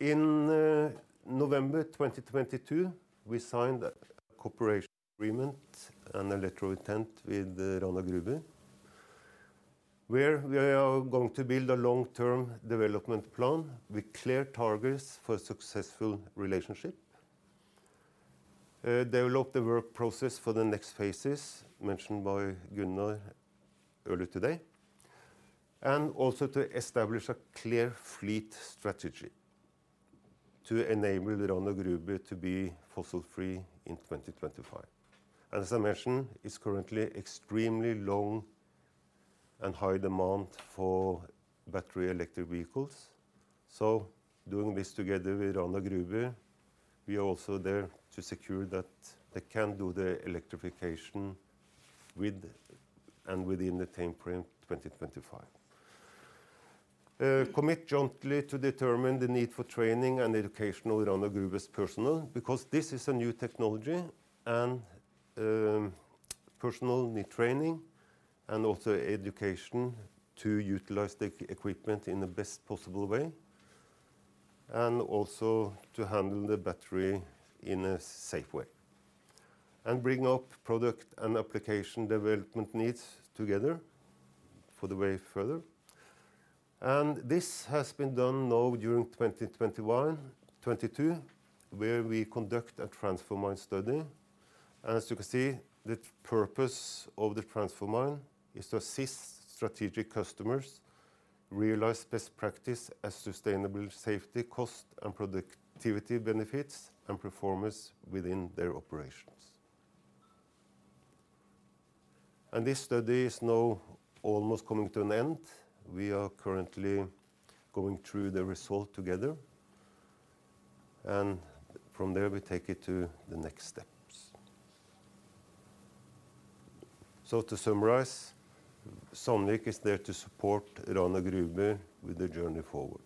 In November 2022, we signed a cooperation agreement and a letter of intent with Rana Gruber, where we are going to build a long-term development plan with clear targets for successful relationship. Develop the work process for the next phases mentioned by Gunnar earlier today, and also to establish a clear fleet strategy. To enable Rana Gruber to be fossil-free in 2025. As I mentioned, it's currently extremely long and high demand for battery electric vehicles. Doing this together with Rana Gruber, we are also there to secure that they can do the electrification with and within the time frame 2025. Commit jointly to determine the need for training and educational Rana Gruber's personnel because this is a new technology and, personnel need training and also education to utilize the equipment in the best possible way, and also to handle the battery in a safe way. Bring up product and application development needs together for the way forward. This has been done now during 2021, 2022, where we conduct a TransforMine study. As you can see, the purpose of the TransforMine is to assist strategic customers realize best practice as sustainable safety, cost, and productivity benefits and performance within their operations. This study is now almost coming to an end. We are currently going through the result together. From there, we take it to the next steps. To summarize, Sandvik is there to support Rana Gruber with the journey forward.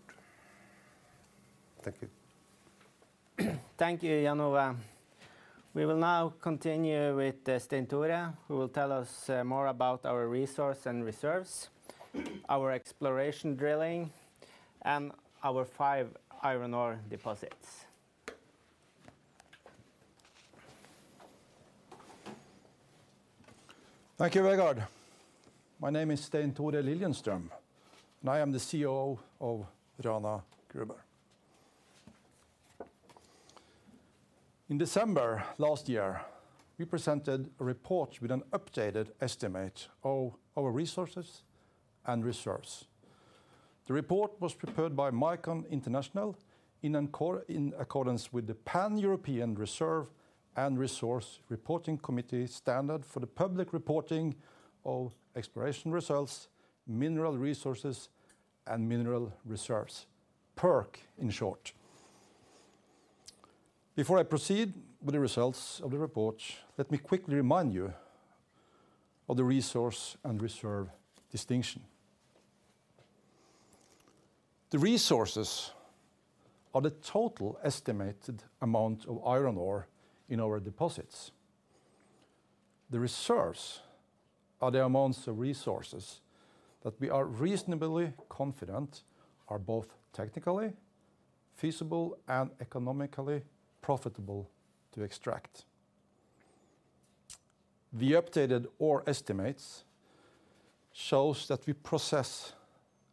Thank you. Thank you, Jan Ove. We will now continue with Stein Tore, who will tell us more about our resource and reserves, our exploration drilling, and our five iron ore deposits. Thank you, Vegard. My name is Stein Tore Liljenström, and I am the COO of Rana Gruber. In December last year, we presented a report with an updated estimate of our resources and reserves. The report was prepared by Micon International in accordance with the Pan-European Reserves and Resources Reporting Committee standard for the public reporting of exploration results, mineral resources, and mineral reserves. PERC in short. Before I proceed with the results of the report, let me quickly remind you of the resource and reserve distinction. The resources are the total estimated amount of iron ore in our deposits. The reserves are the amounts of resources that we are reasonably confident are both technically feasible and economically profitable to extract. The updated ore estimates shows that we possess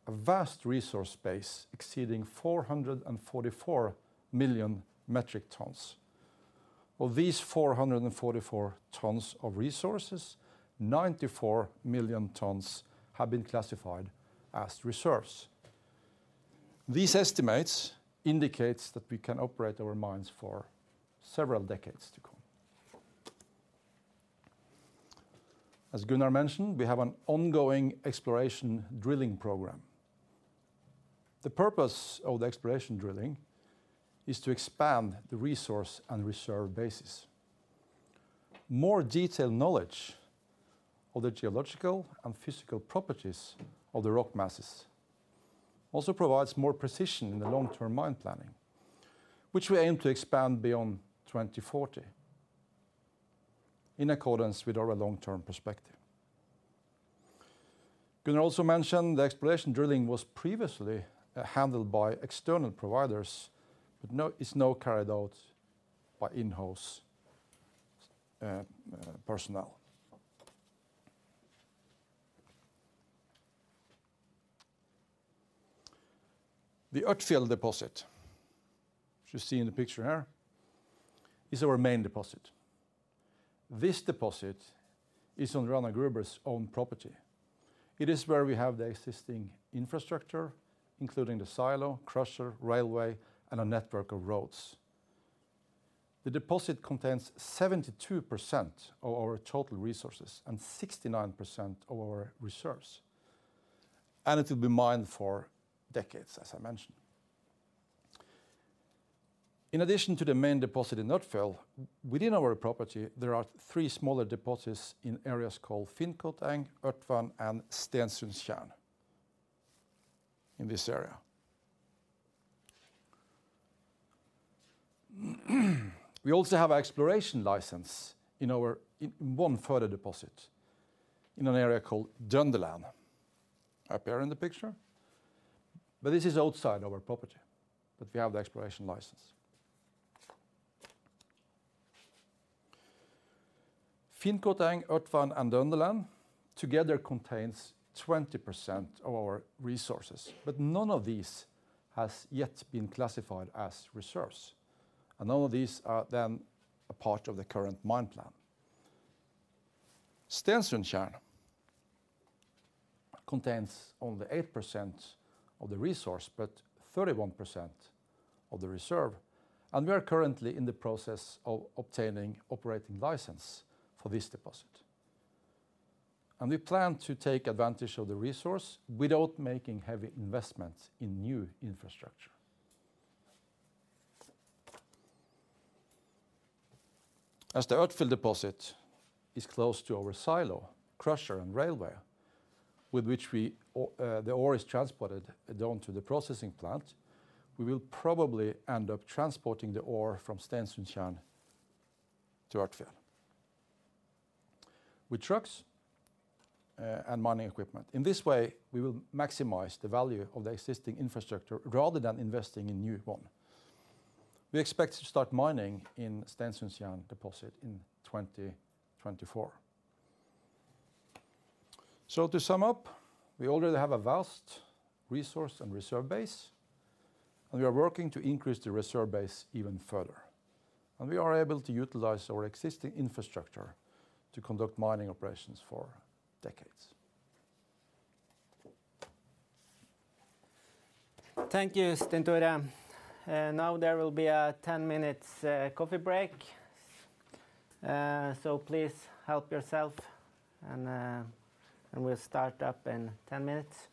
a vast resource base exceeding 444 million metric tons. Of these 444 million tons of resources, 94 million tons have been classified as reserves. These estimates indicates that we can operate our mines for several decades to come. Gunnar mentioned, we have an ongoing exploration drilling program. The purpose of the exploration drilling is to expand the resource and reserve bases. More detailed knowledge of the geological and physical properties of the rock masses also provides more precision in the long-term mine planning, which we aim to expand beyond 2040 in accordance with our long-term perspective. Gunnar also mentioned the exploration drilling was previously handled by external providers, but now it's carried out by in-house personnel. The Ørtfjell deposit, which you see in the picture here, is our main deposit. This deposit is on Rana Gruber's own property. It is where we have the existing infrastructure, including the silo, crusher, railway, and a network of roads. The deposit contains 72% of our total resources and 69% of our reserves, and it will be mined for decades, as I mentioned. In addition to the main deposit in Ørtfjell, within our property, there are three smaller deposits in areas called Finnkoteng, Ørtvann, and Stensundtjern in this area. We also have exploration license in one further deposit in an area called Dunderland, up here in the picture. This is outside our property, but we have the exploration license. Finnkoteng, Ørtvann, and Dunderland together contains 20% of our resources, but none of these has yet been classified as reserves. None of these are then a part of the current mine plan. Stensundtjern contains only 8% of the resource, but 31% of the reserve. We are currently in the process of obtaining operating license for this deposit. We plan to take advantage of the resource without making heavy investments in new infrastructure. As the Ørtfjell deposit is close to our silo, crusher, and railway, with which the ore is transported down to the processing plant, we will probably end up transporting the ore from Stensundtjern to Ørtfjell with trucks and mining equipment. In this way, we will maximize the value of the existing infrastructure rather than investing in new one. We expect to start mining in Stensundtjern deposit in 2024. To sum up, we already have a vast resource and reserve base, and we are working to increase the reserve base even further. We are able to utilize our existing infrastructure to conduct mining operations for decades. Thank you, Stein-Tore. Now there will be a 10-minute coffee break. So please help yourself and we'll start up in 10 minutes.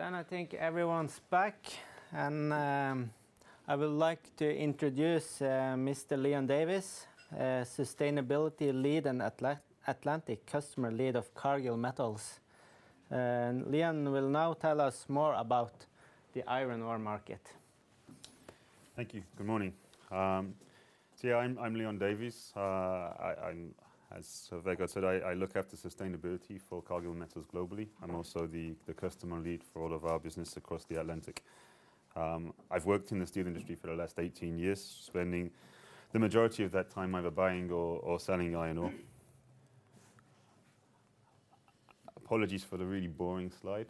I think everyone's back. I would like to introduce Mr. Leon Davies, Sustainability Lead and Atlantic Customer Lead of Cargill Metals. Leon will now tell us more about the iron ore market. Thank you. Good morning. Yeah, I'm Leon Davies. As Vegard said, I look after sustainability for Cargill Metals globally. I'm also the customer lead for all of our business across the Atlantic. I've worked in the steel industry for the last 18 years, spending the majority of that time either buying or selling iron ore. Apologies for the really boring slide.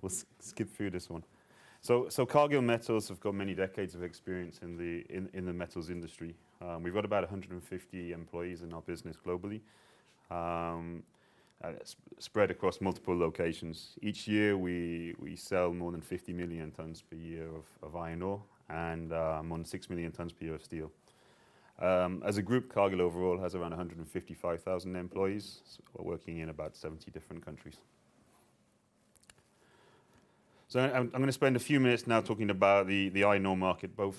We'll skip through this one. Cargill Metals have got many decades of experience in the metals industry. We've got about 150 employees in our business globally, spread across multiple locations. Each year we sell more than 50 million tons per year of iron ore and six million tons per year of steel. As a group, Cargill overall has around 155,000 employees working in about 70 different countries. I'm gonna spend a few minutes now talking about the iron ore market, both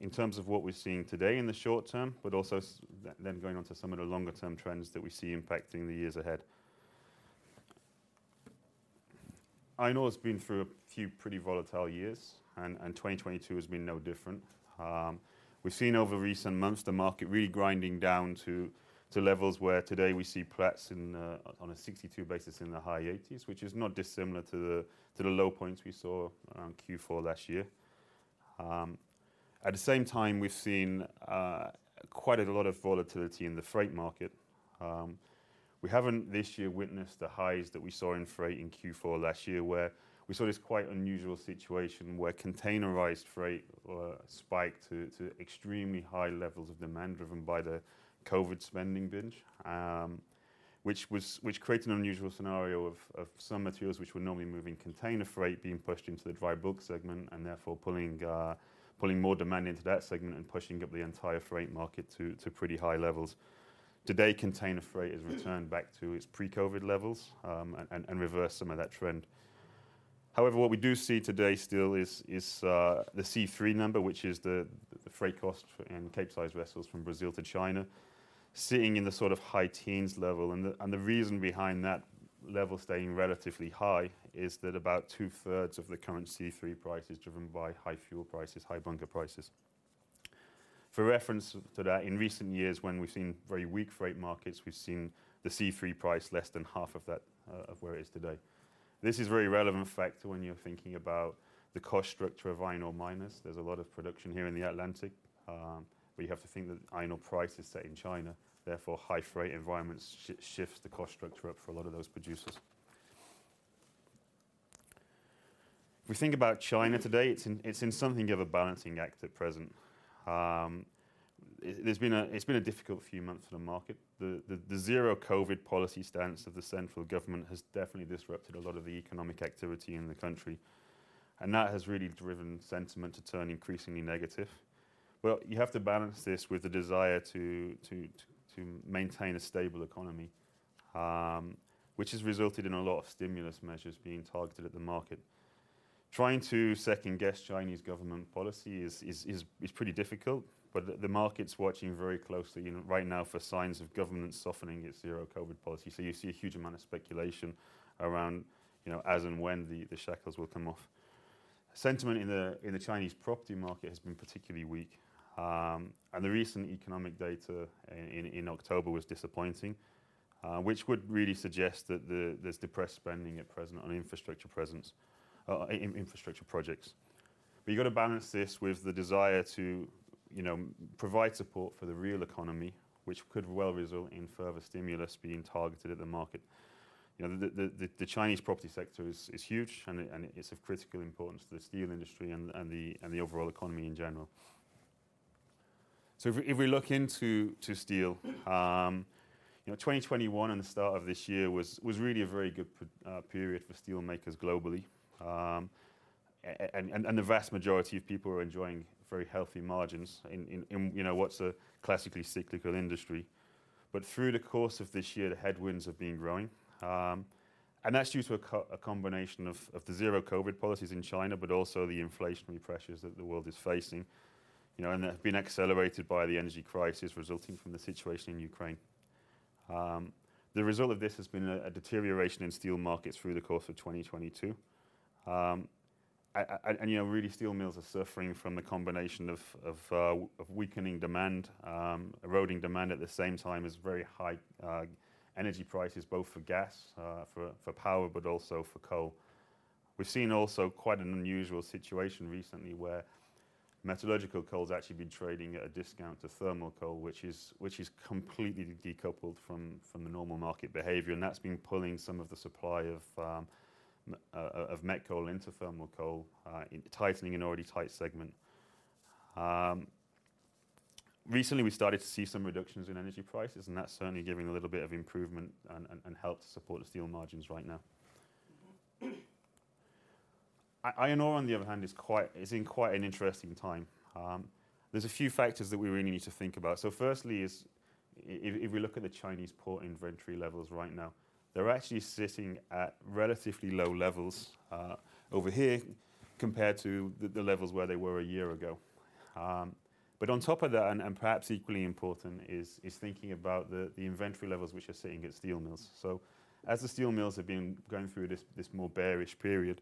in terms of what we're seeing today in the short term, but also then going on to some of the longer term trends that we see impacting the years ahead. Iron ore's been through a few pretty volatile years and 2022 has been no different. We've seen over recent months the market really grinding down to levels where today we see Platts on a 62 basis in the high $80s, which is not dissimilar to the low points we saw around Q4 last year. At the same time, we've seen quite a lot of volatility in the freight market. We haven't this year witnessed the highs that we saw in freight in Q4 last year, where we saw this quite unusual situation where containerized freight spiked to extremely high levels of demand driven by the COVID spending binge, which created an unusual scenario of some materials which would normally move in container freight being pushed into the dry bulk segment and therefore pulling more demand into that segment and pushing up the entire freight market to pretty high levels. Today, container freight has returned back to its pre-COVID levels and reversed some of that trend. However, what we do see today still is the C3 number, which is the freight cost in capesize vessels from Brazil to China, sitting in the sort of high teens level and the reason behind that level staying relatively high is that about two-thirds of the current C3 price is driven by high fuel prices, high bunker prices. For reference to that, in recent years, when we've seen very weak freight markets, we've seen the C3 price less than half of that of where it is today. This is a very relevant factor when you're thinking about the cost structure of iron ore miners. There's a lot of production here in the Atlantic, but you have to think that iron ore price is set in China, therefore, high freight environments shifts the cost structure up for a lot of those producers. If we think about China today, it's in something of a balancing act at present. It's been a difficult few months for the market. The zero-COVID policy stance of the central government has definitely disrupted a lot of the economic activity in the country, and that has really driven sentiment to turn increasingly negative. You have to balance this with the desire to maintain a stable economy, which has resulted in a lot of stimulus measures being targeted at the market. Trying to second-guess Chinese government policy is pretty difficult, but the market's watching very closely right now for signs of government softening its zero-COVID policy. You see a huge amount of speculation around, you know, as and when the shackles will come off. Sentiment in the Chinese property market has been particularly weak, and the recent economic data in October was disappointing, which would really suggest that there's depressed spending at present on infrastructure projects. You've got to balance this with the desire to, you know, provide support for the real economy, which could well result in further stimulus being targeted at the market. You know, the Chinese property sector is huge and is of critical importance to the steel industry and the overall economy in general. If we look into steel, you know, 2021 and the start of this year was really a very good period for steel makers globally. The vast majority of people are enjoying very healthy margins in, you know, what's a classically cyclical industry. Through the course of this year, the headwinds have been growing, and that's due to a combination of the zero-COVID policies in China, but also the inflationary pressures that the world is facing, you know, and that have been accelerated by the energy crisis resulting from the situation in Ukraine. The result of this has been a deterioration in steel markets through the course of 2022. You know, really, steel mills are suffering from the combination of weakening demand, eroding demand at the same time as very high energy prices, both for gas, for power, but also for coal. We've seen also quite an unusual situation recently where metallurgical coal's actually been trading at a discount to thermal coal, which is completely decoupled from the normal market behavior, and that's been pulling some of the supply of met coal into thermal coal, tightening an already tight segment. Recently, we started to see some reductions in energy prices, and that's certainly giving a little bit of improvement and help to support the steel margins right now. Iron ore, on the other hand, is in quite an interesting time. There's a few factors that we really need to think about. Firstly is if we look at the Chinese port inventory levels right now, they're actually sitting at relatively low levels over here compared to the levels where they were a year ago. on top of that, and perhaps equally important, is thinking about the inventory levels which are sitting at steel mills. As the steel mills have been going through this more bearish period,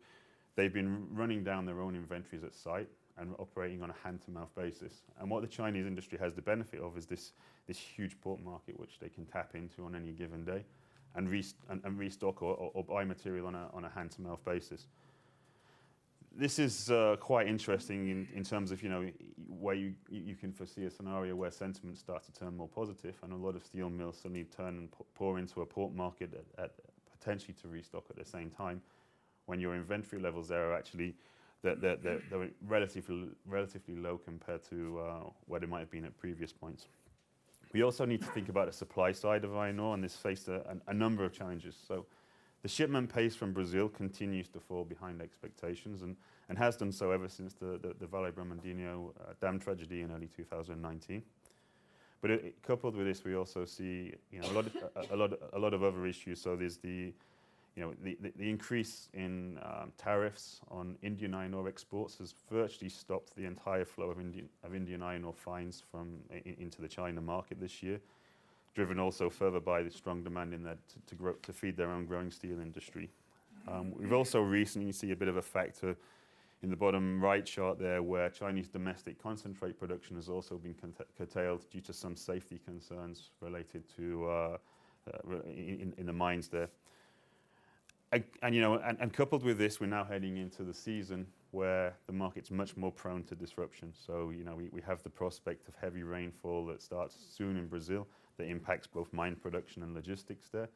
they've been running down their own inventories at site and operating on a hand-to-mouth basis. What the Chinese industry has the benefit of is this huge port market which they can tap into on any given day and restock or buy material on a hand-to-mouth basis. This is quite interesting in terms of, you know, where you can foresee a scenario where sentiment starts to turn more positive and a lot of steel mills suddenly turn and pour into a port market at potentially to restock at the same time when your inventory levels there are actually. They're relatively low compared to what it might have been at previous points. We also need to think about the supply side of iron ore, and it's faced a number of challenges. The shipment pace from Brazil continues to fall behind expectations and has done so ever since the Vale Brumadinho dam tragedy in early 2019. Coupled with this, we also see, you know, a lot of other issues. There's the increase in tariffs on Indian iron ore exports has virtually stopped the entire flow of Indian iron ore fines into the China market this year, driven also further by the strong demand in there to feed their own growing steel industry. We've also recently seen a bit of a factor in the bottom right chart there, where Chinese domestic concentrate production has also been curtailed due to some safety concerns related to in the mines there. You know, coupled with this, we're now heading into the season where the market's much more prone to disruption. You know, we have the prospect of heavy rainfall that starts soon in Brazil that impacts both mine production and logistics there,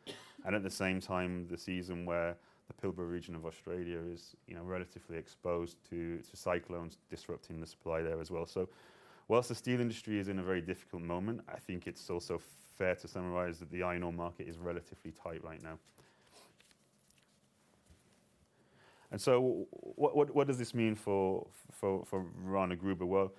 and at the same time, the season where the Pilbara region of Australia is, you know, relatively exposed to cyclones disrupting the supply there as well. While the steel industry is in a very difficult moment, I think it's also fair to summarize that the iron ore market is relatively tight right now. What does this mean for Rana Gruber? Well,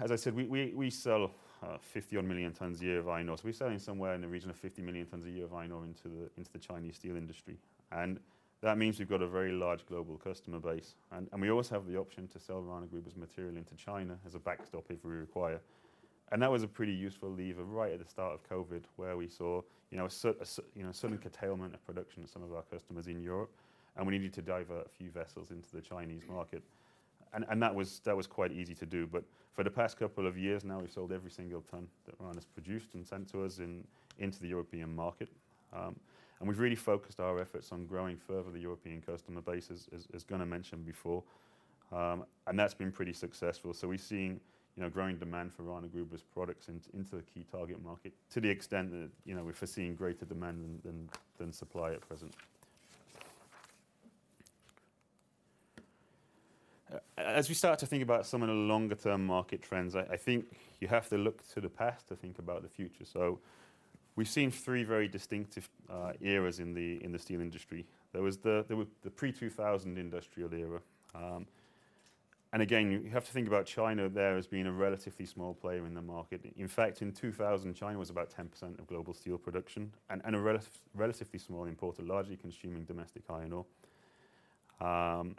as I said, we sell 50-odd million tons a year of iron ore, so we're selling somewhere in the region of 50 million tons a year of iron ore into the Chinese steel industry. That means we've got a very large global customer base and we always have the option to sell Rana Gruber material into China as a backstop if we require. That was a pretty useful lever right at the start of COVID, where we saw, you know, a sudden curtailment of production of some of our customers in Europe, and we needed to divert a few vessels into the Chinese market. That was quite easy to do. For the past couple of years now, we've sold every single ton that Rana Gruber has produced and sent to us into the European market. We've really focused our efforts on growing further the European customer base, as Gunnar mentioned before. That's been pretty successful. We've seen, you know, growing demand for Rana Gruber products into the key target market to the extent that, you know, we're foreseeing greater demand than supply at present. As we start to think about some of the longer term market trends, I think you have to look to the past to think about the future. We've seen three very distinctive eras in the steel industry. There were the pre-2000 industrial era. Again, you have to think about China there as being a relatively small player in the market. In fact, in 2000 China was about 10% of global steel production and a relatively small importer, largely consuming domestic iron ore. Iron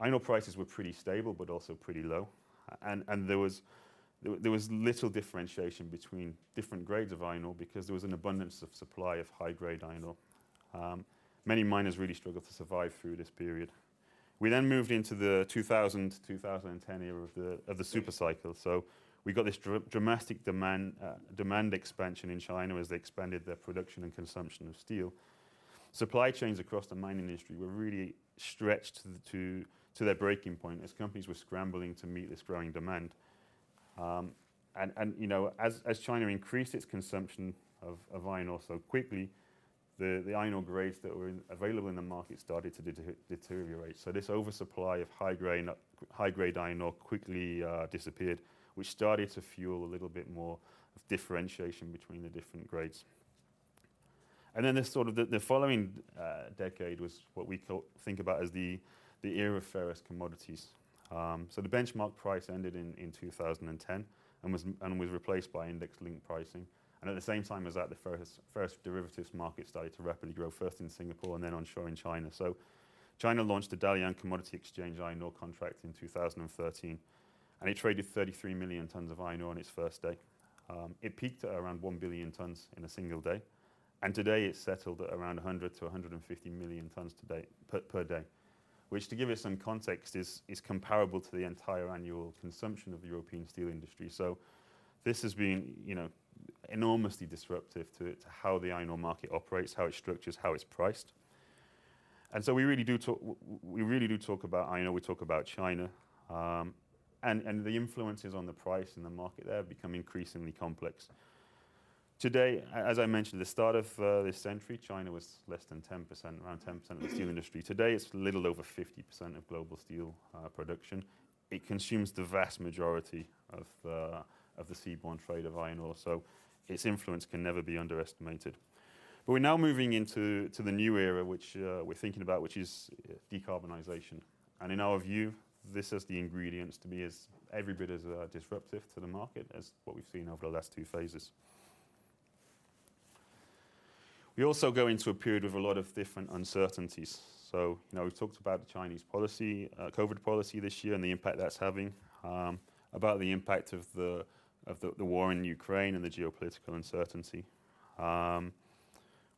ore prices were pretty stable but also pretty low and there was little differentiation between different grades of iron ore because there was an abundance of supply of high grade iron ore. Many miners really struggled to survive through this period. We then moved into the 2000-2010 era of the supercycle. We got this dramatic demand expansion in China as they expanded their production and consumption of steel. Supply chains across the mining industry were really stretched to their breaking point as companies were scrambling to meet this growing demand. China increased its consumption of iron ore so quickly, the iron ore grades that were available in the market started to deteriorate. This oversupply of high grade iron ore quickly disappeared, which started to fuel a little bit more of differentiation between the different grades. The following decade was what we think about as the era of ferrous commodities. The benchmark price ended in 2010 and was replaced by index-linked pricing. At the same time as that, the ferrous derivatives market started to rapidly grow, first in Singapore and then onshore in China. China launched the Dalian Commodity Exchange iron ore contract in 2013, and it traded 33 million tons of iron ore on its first day. It peaked at around 1 billion tons in a single day, and today it's settled at around 100 million to 150 million tons per day, which, to give you some context, is comparable to the entire annual consumption of the European steel industry. This has been, you know, enormously disruptive to how the iron ore market operates, how it structures, how it's priced. We really do talk about iron ore, we talk about China, and the influences on the price and the market there become increasingly complex. Today, as I mentioned, the start of this century, China was less than 10%, around 10% of the steel industry. Today, it's a little over 50% of global steel production. It consumes the vast majority of the seaborne trade of iron ore. Its influence can never be underestimated. We're now moving into the new era, which we're thinking about, which is decarbonization. In our view, this has the ingredients to be as every bit as disruptive to the market as what we've seen over the last two phases. We also go into a period with a lot of different uncertainties. You know, we've talked about the Chinese COVID policy this year and the impact that's having, about the impact of the war in Ukraine and the geopolitical uncertainty.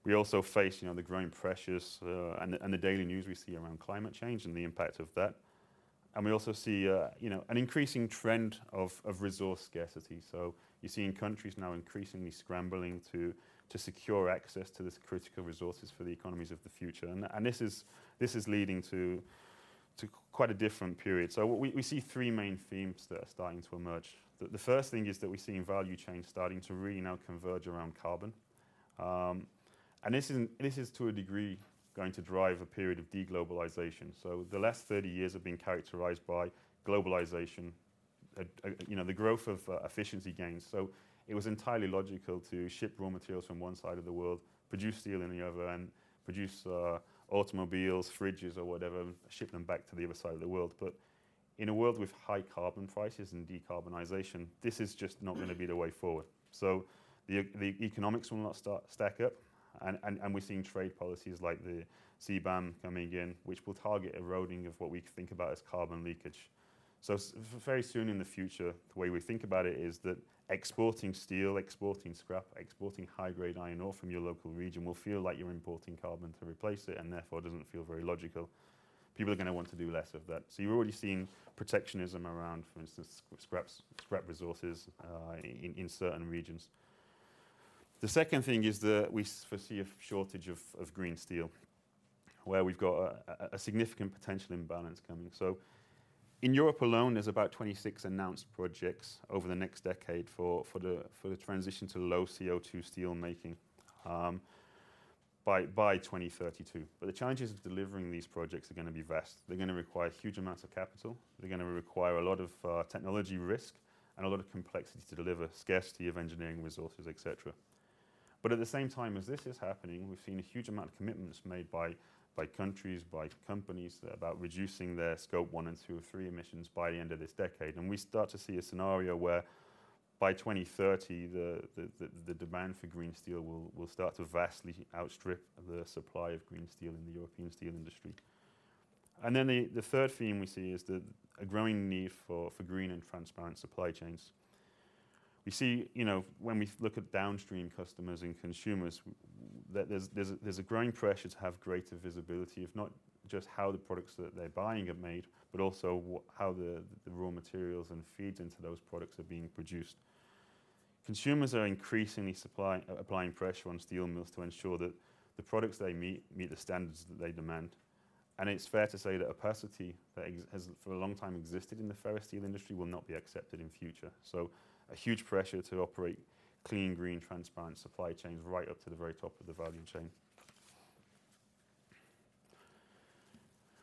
We also face, you know, the growing pressures, and the daily news we see around climate change and the impact of that. We also see, you know, an increasing trend of resource scarcity. You're seeing countries now increasingly scrambling to secure access to this critical resources for the economies of the future. This is leading to quite a different period. What we see three main themes that are starting to emerge. The first thing is that we're seeing value chains starting to really now converge around carbon. This is to a degree going to drive a period of de-globalization. The last 30 years have been characterized by globalization, you know, the growth of efficiency gains. It was entirely logical to ship raw materials from one side of the world, produce steel in the other, and produce automobiles, fridges or whatever, ship them back to the other side of the world. In a world with high carbon prices and decarbonization, this is just not gonna be the way forward. The economics will not stack up and we're seeing trade policies like the CBAM coming in, which will target eroding of what we think about as carbon leakage. Very soon in the future, the way we think about it is that exporting steel, exporting scrap, exporting high-grade iron ore from your local region will feel like you're importing carbon to replace it, and therefore it doesn't feel very logical. People are gonna want to do less of that. You're already seeing protectionism around, for instance, scraps, scrap resources, in certain regions. The second thing is that we see a shortage of green steel, where we've got a significant potential imbalance coming. In Europe alone, there's about 26 announced projects over the next decade for the transition to low CO2 steel making, by 2032. But the challenges of delivering these projects are gonna be vast. They're gonna require huge amounts of capital. They're gonna require a lot of technology risk and a lot of complexity to deliver scarcity of engineering resources, etc. At the same time as this is happening, we've seen a huge amount of commitments made by countries, by companies about reducing their Scope one, two, and three emissions by the end of this decade. We start to see a scenario where by 2030, the demand for green steel will start to vastly outstrip the supply of green steel in the European steel industry. The third theme we see is a growing need for green and transparent supply chains. We see, you know, when we look at downstream customers and consumers, that there's a growing pressure to have greater visibility of not just how the products that they're buying are made, but also how the raw materials and feeds into those products are being produced. Consumers are increasingly applying pressure on steel mills to ensure that the products they meet meet the standards that they demand. It's fair to say that opacity that has for a long time existed in the ferrous steel industry will not be accepted in future. A huge pressure to operate clean, green, transparent supply chains right up to the very top of the value chain.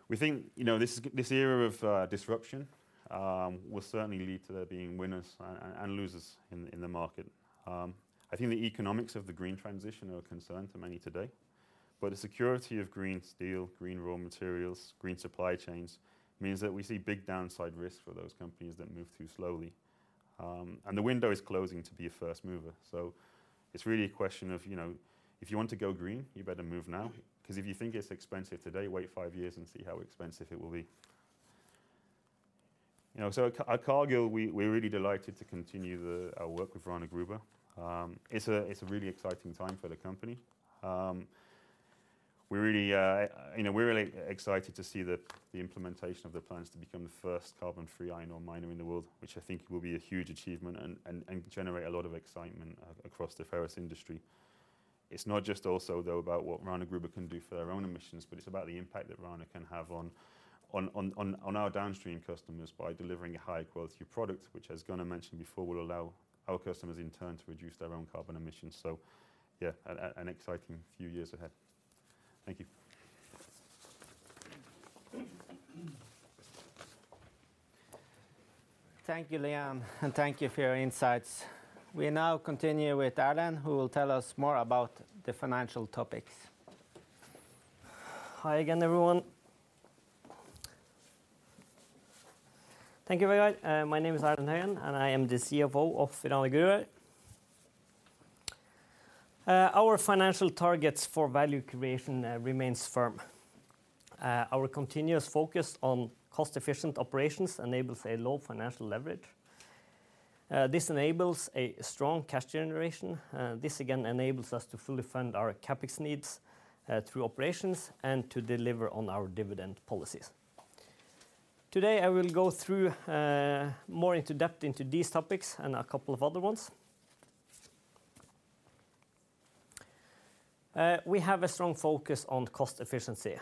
We think, you know, this era of disruption will certainly lead to there being winners and losers in the market. I think the economics of the green transition are a concern to many today, but the security of green steel, green raw materials, green supply chains means that we see big downside risks for those companies that move too slowly. The window is closing to be a first mover. So it's really a question of, you know, if you want to go green, you better move now. Because if you think it's expensive today, wait five years and see how expensive it will be. You know, so at Cargill, we're really delighted to continue our work with Rana Gruber. It's a really exciting time for the company. We're really, you know, excited to see the implementation of the plans to become the first carbon-free iron ore miner in the world, which I think will be a huge achievement and generate a lot of excitement across the ferrous industry. It's not just also, though, about what Rana Gruber can do for their own emissions, but it's about the impact that Rana Gruber can have on our downstream customers by delivering a high-quality product, which, as Gunnar mentioned before, will allow our customers in turn to reduce their own carbon emissions. Yeah, an exciting few years ahead. Thank you. Thank you, Leon, and thank you for your insights. We now continue with Erlend, who will tell us more about the financial topics. Hi again, everyone. Thank you, everyone. My name is Erlend Høyen, and I am the CFO of Rana Gruber. Our financial targets for value creation remains firm. Our continuous focus on cost-efficient operations enables a low financial leverage. This enables a strong cash generation. This again enables us to fully fund our CapEx needs through operations and to deliver on our dividend policies. Today, I will go through more into depth into these topics and a couple of other ones. We have a strong focus on cost efficiency.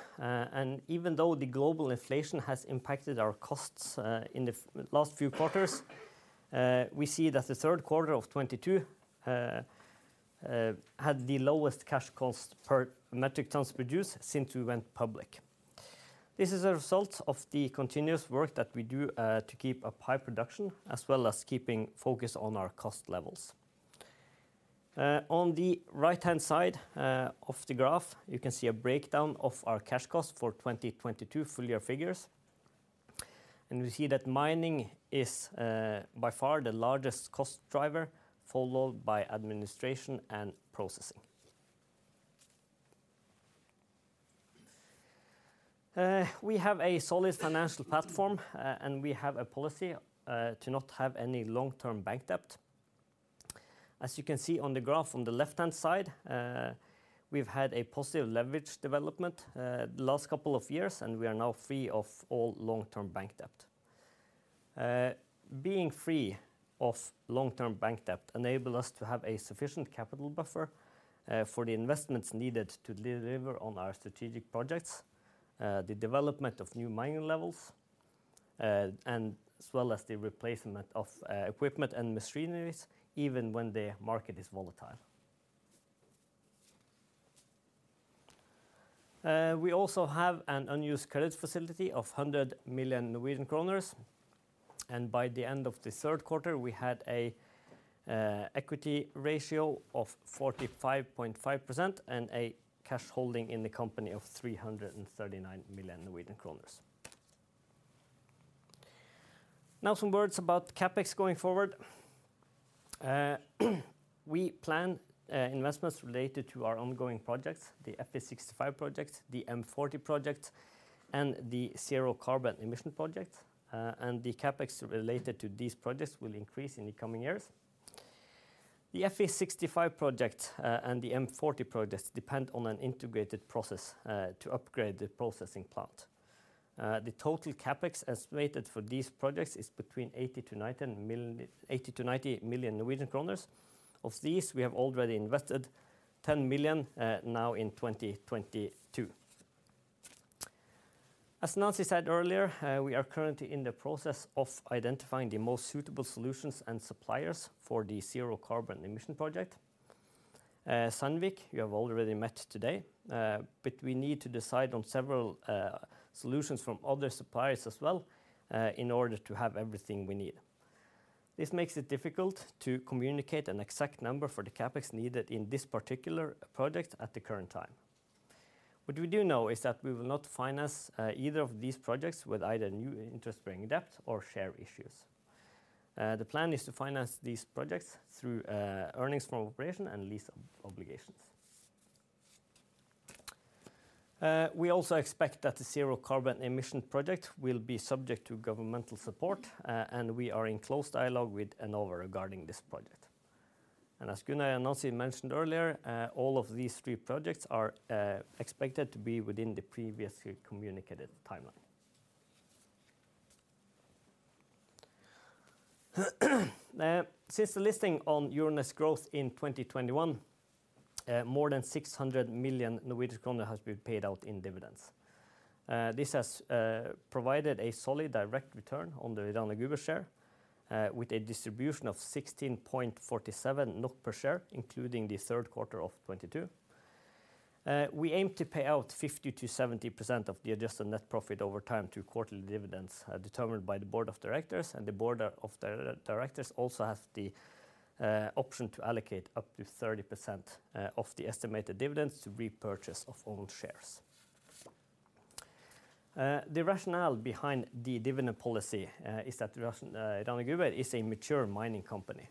Even though the global inflation has impacted our costs in the last few quarters, we see that the Q3 of 2022 had the lowest cash costs per metric tons produced since we went public. This is a result of the continuous work that we do to keep up high production, as well as keeping focus on our cost levels. On the right-hand side of the graph, you can see a breakdown of our cash costs for 2022 full-year figures. We see that mining is by far the largest cost driver, followed by administration and processing. We have a solid financial platform, and we have a policy to not have any long-term bank debt. As you can see on the graph on the left-hand side, we've had a positive leverage development, the last couple of years, and we are now free of all long-term bank debt. Being free of long-term bank debt enable us to have a sufficient capital buffer, for the investments needed to deliver on our strategic projects, the development of new mining levels, and as well as the replacement of equipment and machineries, even when the market is volatile. We also have an unused credit facility of 100 million Norwegian kroner, and by the end of the Q3, we had a equity ratio of 45.5% and a cash holding in the company of 339 million Norwegian kroner. Now some words about CapEx going forward. We plan investments related to our ongoing projects, the Fe65 project, the M40 project, and the zero carbon emission project, and the CapEx related to these projects will increase in the coming years. The Fe65 project and the M40 project depend on an integrated process to upgrade the processing plant. The total CapEx estimated for these projects is between 80 million-90 million Norwegian kroner. Of these, we have already invested 10 million now in 2022. As Nancy said earlier, we are currently in the process of identifying the most suitable solutions and suppliers for the zero carbon emission project. Sandvik, you have already met today, but we need to decide on several solutions from other suppliers as well, in order to have everything we need. This makes it difficult to communicate an exact number for the CapEx needed in this particular project at the current time. What we do know is that we will not finance either of these projects with either new interest-bearing debt or share issues. The plan is to finance these projects through earnings from operation and lease obligations. We also expect that the zero carbon emission project will be subject to governmental support, and we are in close dialogue with Enova regarding this project. As Gunnar and Nancy mentioned earlier, all of these three projects are expected to be within the previously communicated timeline. Since the listing on Euronext Growth in 2021, more than 600 million Norwegian kroner has been paid out in dividends. This has provided a solid direct return on the Rana Gruber share, with a distribution of 16.47 NOK per share, including the Q3 of 2022. We aim to pay out 50%-70% of the adjusted net profit over time to quarterly dividends, determined by the board of directors, and the board of directors also has the option to allocate up to 30% of the estimated dividends to repurchase of own shares. The rationale behind the dividend policy is that Rana Gruber is a mature mining company.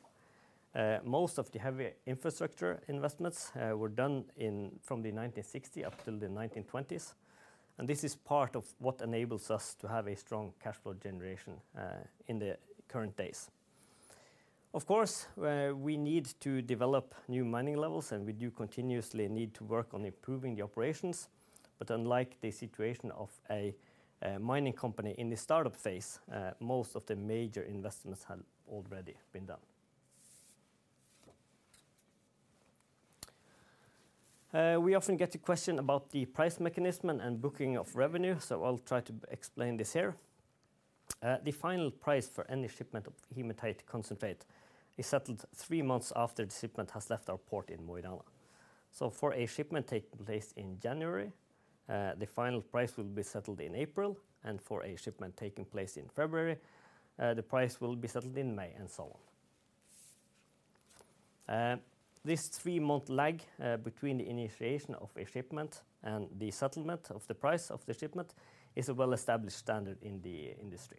Most of the heavy infrastructure investments were done from the 1960s up till the 1990s, and this is part of what enables us to have a strong cash flow generation in the current days. Of course, we need to develop new mining levels, and we do continuously need to work on improving the operations, but unlike the situation of a mining company in the startup phase, most of the major investments have already been done. We often get a question about the price mechanism and booking of revenue, so I'll try to explain this here. The final price for any shipment of Hematite concentrate is settled three months after the shipment has left our port in Mo i Rana. For a shipment taking place in January, the final price will be settled in April, and for a shipment taking place in February, the price will be settled in May, and so on. This three-month lag between the initiation of a shipment and the settlement of the price of the shipment is a well-established standard in the industry.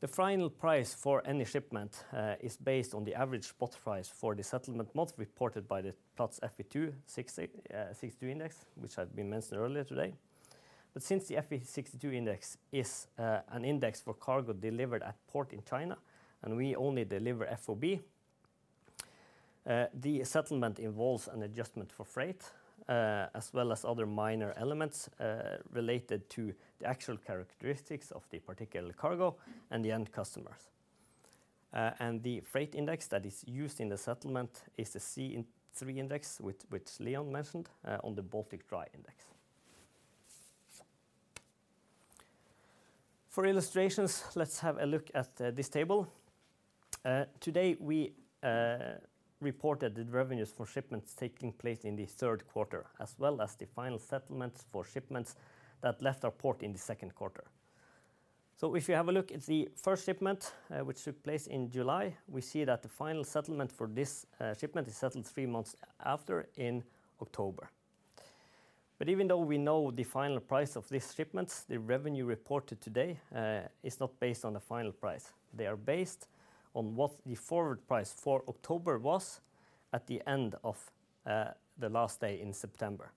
The final price for any shipment is based on the average spot price for the settlement month reported by the Platts 62% Fe index, which had been mentioned earlier today. Since the 62% Fe index is an index for cargo delivered at port in China and we only deliver FOB, the settlement involves an adjustment for freight as well as other minor elements related to the actual characteristics of the particular cargo and the end customers. The freight index that is used in the settlement is the C3 index, which Leon mentioned on the Baltic Dry Index. For illustrations, let's have a look at this table. Today we reported the revenues for shipments taking place in the Q3, as well as the final settlements for shipments that left our port in the Q2. If you have a look at the first shipment, which took place in July, we see that the final settlement for this shipment is settled three months after in October. Even though we know the final price of these shipments, the revenue reported today is not based on the final price. They are based on what the forward price for October was at the end of the last day in September.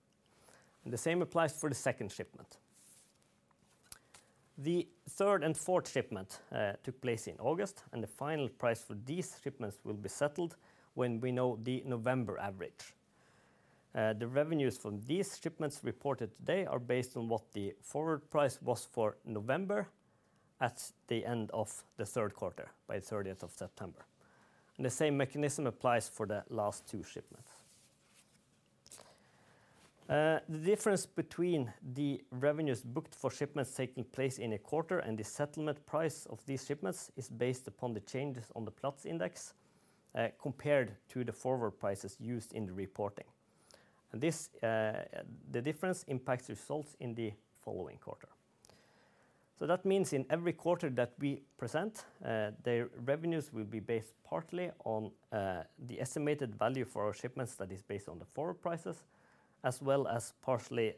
The same applies for the second shipment. The third and fourth shipment took place in August, and the final price for these shipments will be settled when we know the November average. The revenues from these shipments reported today are based on what the forward price was for November at the end of the Q3, by the September 30th. The same mechanism applies for the last two shipments. The difference between the revenues booked for shipments taking place in a quarter and the settlement price of these shipments is based upon the changes on the Platts index, compared to the forward prices used in the reporting. This difference impacts results in the following quarter. That means in every quarter that we present, the revenues will be based partly on the estimated value for our shipments that is based on the forward prices, as well as partly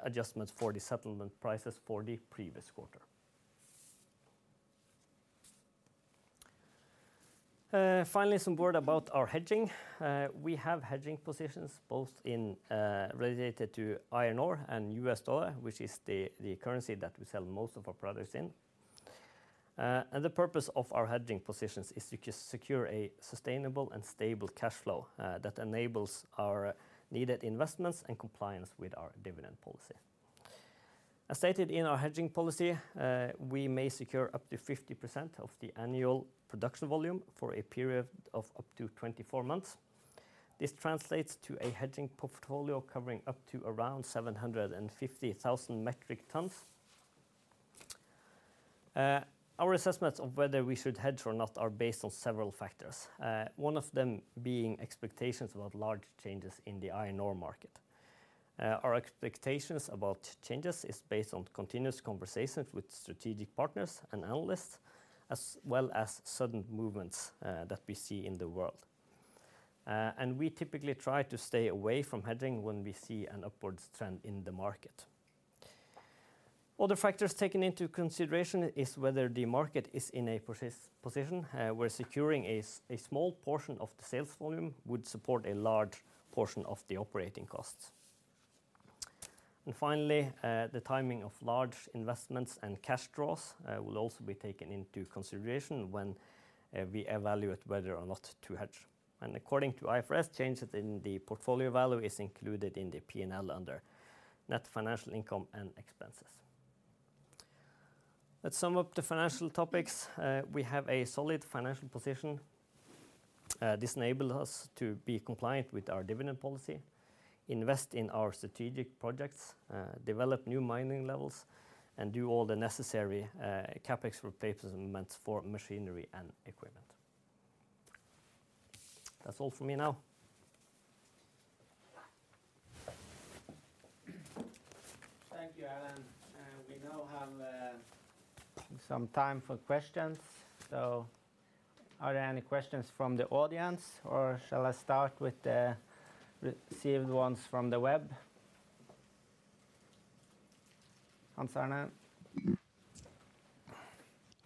adjustments for the settlement prices for the previous quarter. Finally, some word about our hedging. We have hedging positions both in related to iron ore and U.S. dollar, which is the currency that we sell most of our products in. The purpose of our hedging positions is to just secure a sustainable and stable cash flow that enables our needed investments and compliance with our dividend policy. As stated in our hedging policy, we may secure up to 50% of the annual production volume for a period of up to 24 months. This translates to a hedging portfolio covering up to around 750,000 metric tons. Our assessments of whether we should hedge or not are based on several factors, one of them being expectations about large changes in the iron ore market. Our expectations about changes is based on continuous conversations with strategic partners and analysts, as well as sudden movements that we see in the world. We typically try to stay away from hedging when we see an upwards trend in the market. Other factors taken into consideration is whether the market is in a position where securing a small portion of the sales volume would support a large portion of the operating costs. Finally, the timing of large investments and cash draws will also be taken into consideration when we evaluate whether or not to hedge. According to IFRS, changes in the portfolio value is included in the P&L under net financial income and expenses. Let's sum up the financial topics. We have a solid financial position. This enable us to be compliant with our dividend policy, invest in our strategic projects, develop new mining levels, and do all the necessary CapEx replacements for machinery and equipment. That's all from me now. Thank you, Erlend Høyen. We now have some time for questions. Are there any questions from the audience, or shall I start with the received ones from the web? Hans Arne.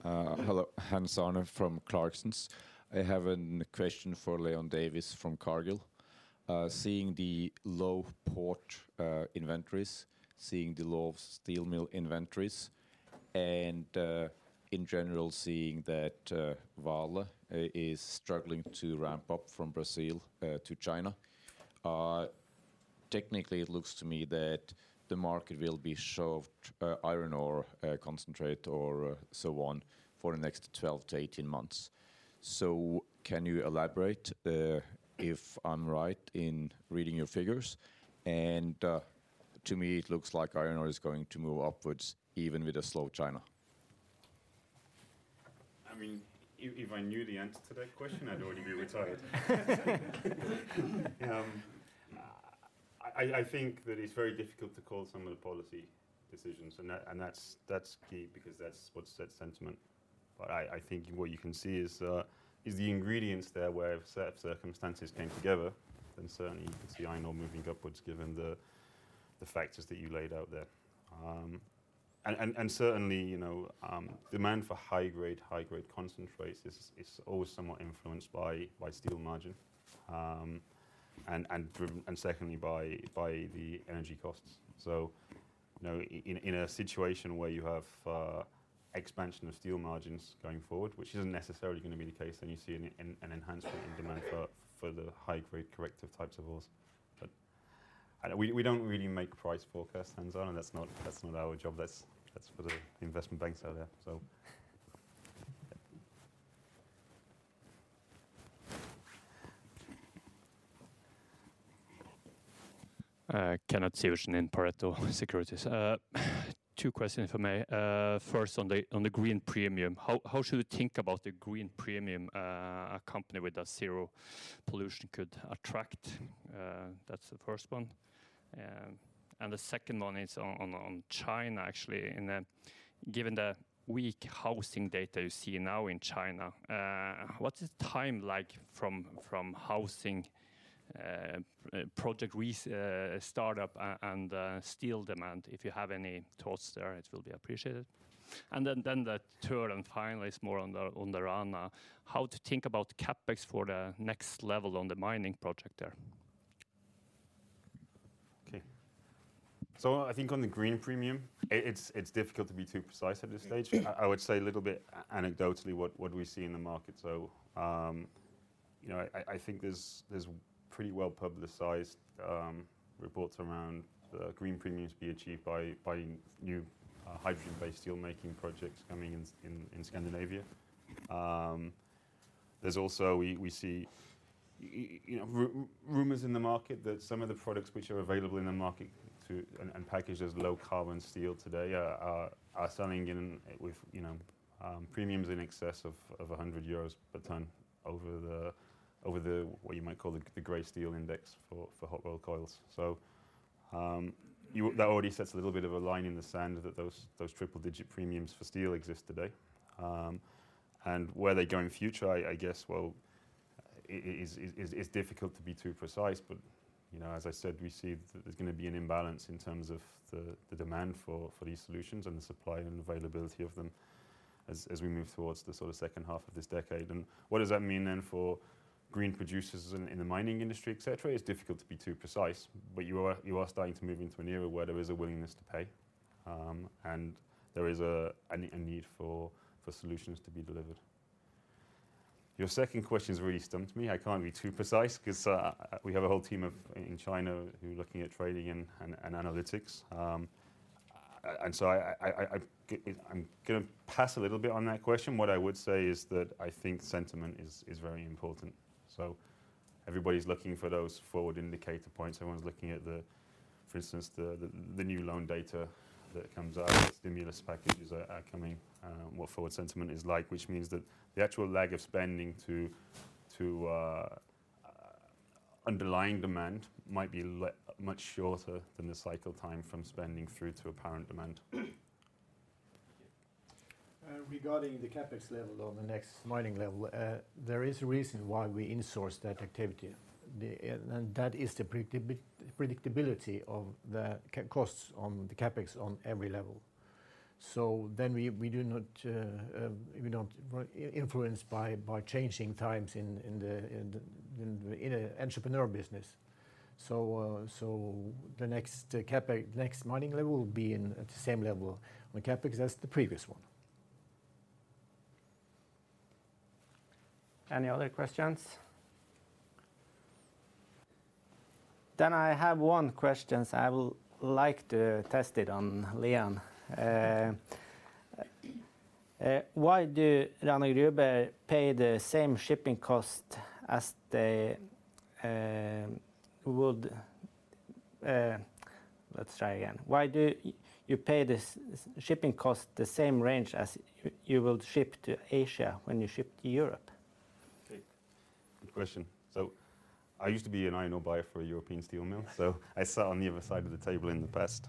Hello. Hans Arne from Clarksons. I have a question for Leon Davies from Cargill. Seeing the low port inventories, seeing the low steel mill inventories, and in general, seeing that Vale is struggling to ramp up from Brazil to China. Technically, it looks to me that the market will be short iron ore concentrate or so on for the next 12-18 months. Can you elaborate if I'm right in reading your figures? To me, it looks like iron ore is going to move upwards even with a slow China. I mean, if I knew the answer to that question, I'd already be retired. I think that it's very difficult to call some of the policy decisions and that's key because that's what sets sentiment. I think what you can see is the ingredients there where if certain circumstances came together, then certainly you could see iron ore moving upwards given the factors that you laid out there. Certainly, you know, demand for high grade concentrates is always somewhat influenced by steel margin, and driven and secondly by the energy costs. You know, in a situation where you have expansion of steel margins going forward, which isn't necessarily gonna be the case, then you see an enhancement in demand for the high grade corrective types of ores. I know we don't really make price forecasts, Hans Olav. That's not our job. That's for the investment banks out there. Kenneth Syversen in Pareto Securities. Two questions from me. First on the green premium. How should we think about the green premium a company with zero pollution could attract? That's the first one. The second one is on China actually. Given the weak housing data you see now in China, what is the timeline from housing project startup and steel demand? If you have any thoughts there, it will be appreciated. The third and final is more on the Rana. How to think about CapEx for the next level on the mining project there? I think on the green premium, it's difficult to be too precise at this stage. I would say a little bit anecdotally what we see in the market. I think there's pretty well-publicized reports around the green premiums to be achieved by buying new hydrogen-based steelmaking projects coming in in Scandinavia. There's also we see you know rumors in the market that some of the products which are available in the market and packaged as low carbon steel today are selling in with you know premiums in excess of 100 euros per ton over the what you might call the gray steel index for hot rolled coils. that already sets a little bit of a line in the sand that those triple digit premiums for steel exist today. and where they go in future, I guess, well, is difficult to be too precise. you know, as I said, we see there's gonna be an imbalance in terms of the demand for these solutions and the supply and availability of them as we move towards the sort of second half of this decade. what does that mean then for green producers in the mining industry, etc? It's difficult to be too precise, but you are starting to move into an era where there is a willingness to pay, and there is a need for solutions to be delivered. Your second question has really stumped me. I can't be too precise because we have a whole team in China who are looking at trading and analytics. I'm gonna pass a little bit on that question. What I would say is that I think sentiment is very important. Everybody's looking for those forward indicator points. Everyone's looking at, for instance, the new loan data that comes out, what stimulus packages are coming, what forward sentiment is like, which means that the actual lag of spending to underlying demand might be much shorter than the cycle time from spending through to apparent demand. Regarding the CapEx level on the next mining level, there is a reason why we insource that activity. That is the predictability of the costs on the CapEx on every level. We do not get influenced by changing times in the entrepreneur business. The next CapEx next mining level will be in the same level on CapEx as the previous one. Any other questions? I have one question I will like to test it on Leon Davies. Why do you pay the shipping cost in the same range as you will ship to Asia when you ship to Europe? Okay. Good question. I used to be an iron ore buyer for a European steel mill, so I sat on the other side of the table in the past.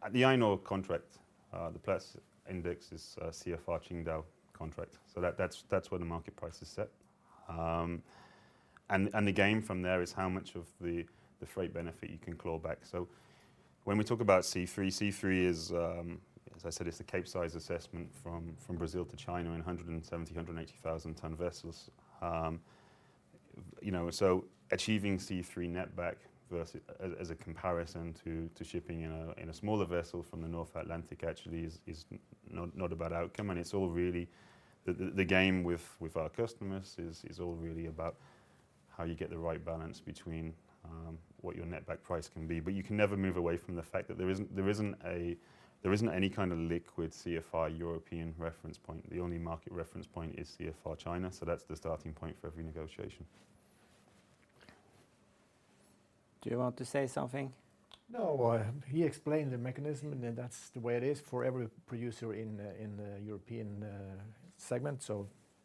At the iron ore contract, the plus index is CFR Qingdao contract. That's where the market price is set. The game from there is how much of the freight benefit you can claw back. When we talk about C3 is, as I said, it's the Capesize assessment from Brazil to China in 170,000-180,000 ton vessels. You know, achieving C3 net back versus as a comparison to shipping in a smaller vessel from the North Atlantic actually is not a bad outcome. It's all really the game with our customers is all really about how you get the right balance between what your net back price can be. You can never move away from the fact that there isn't any kind of liquid CFI European reference point. The only market reference point is CFR China, so that's the starting point for every negotiation. Do you want to say something? No. He explained the mechanism, and that's the way it is for every producer in the European segment.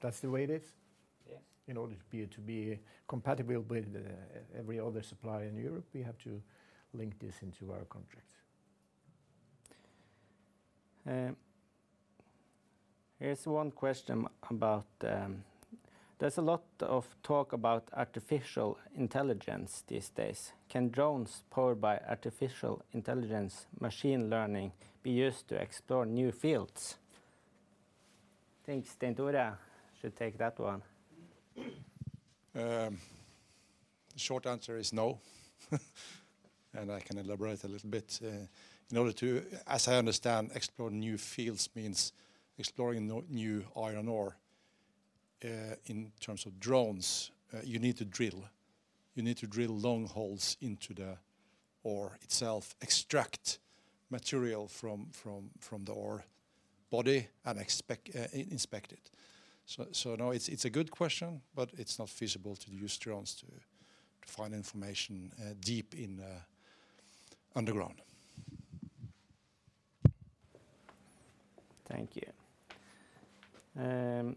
That's the way it is. Yes. In order to be compatible with every other supplier in Europe, we have to link this into our contracts. Here's one question about. There's a lot of talk about artificial intelligence these days. Can drones powered by artificial intelligence machine learning be used to explore new fields? I think Stein Tore should take that one. Short answer is no. I can elaborate a little bit. In order to, as I understand, explore new fields means exploring new iron ore. In terms of drones, you need to drill long holes into the ore itself, extract material from the ore body and inspect it. No, it's a good question, but it's not feasible to use drones to find information deep underground. Thank you. I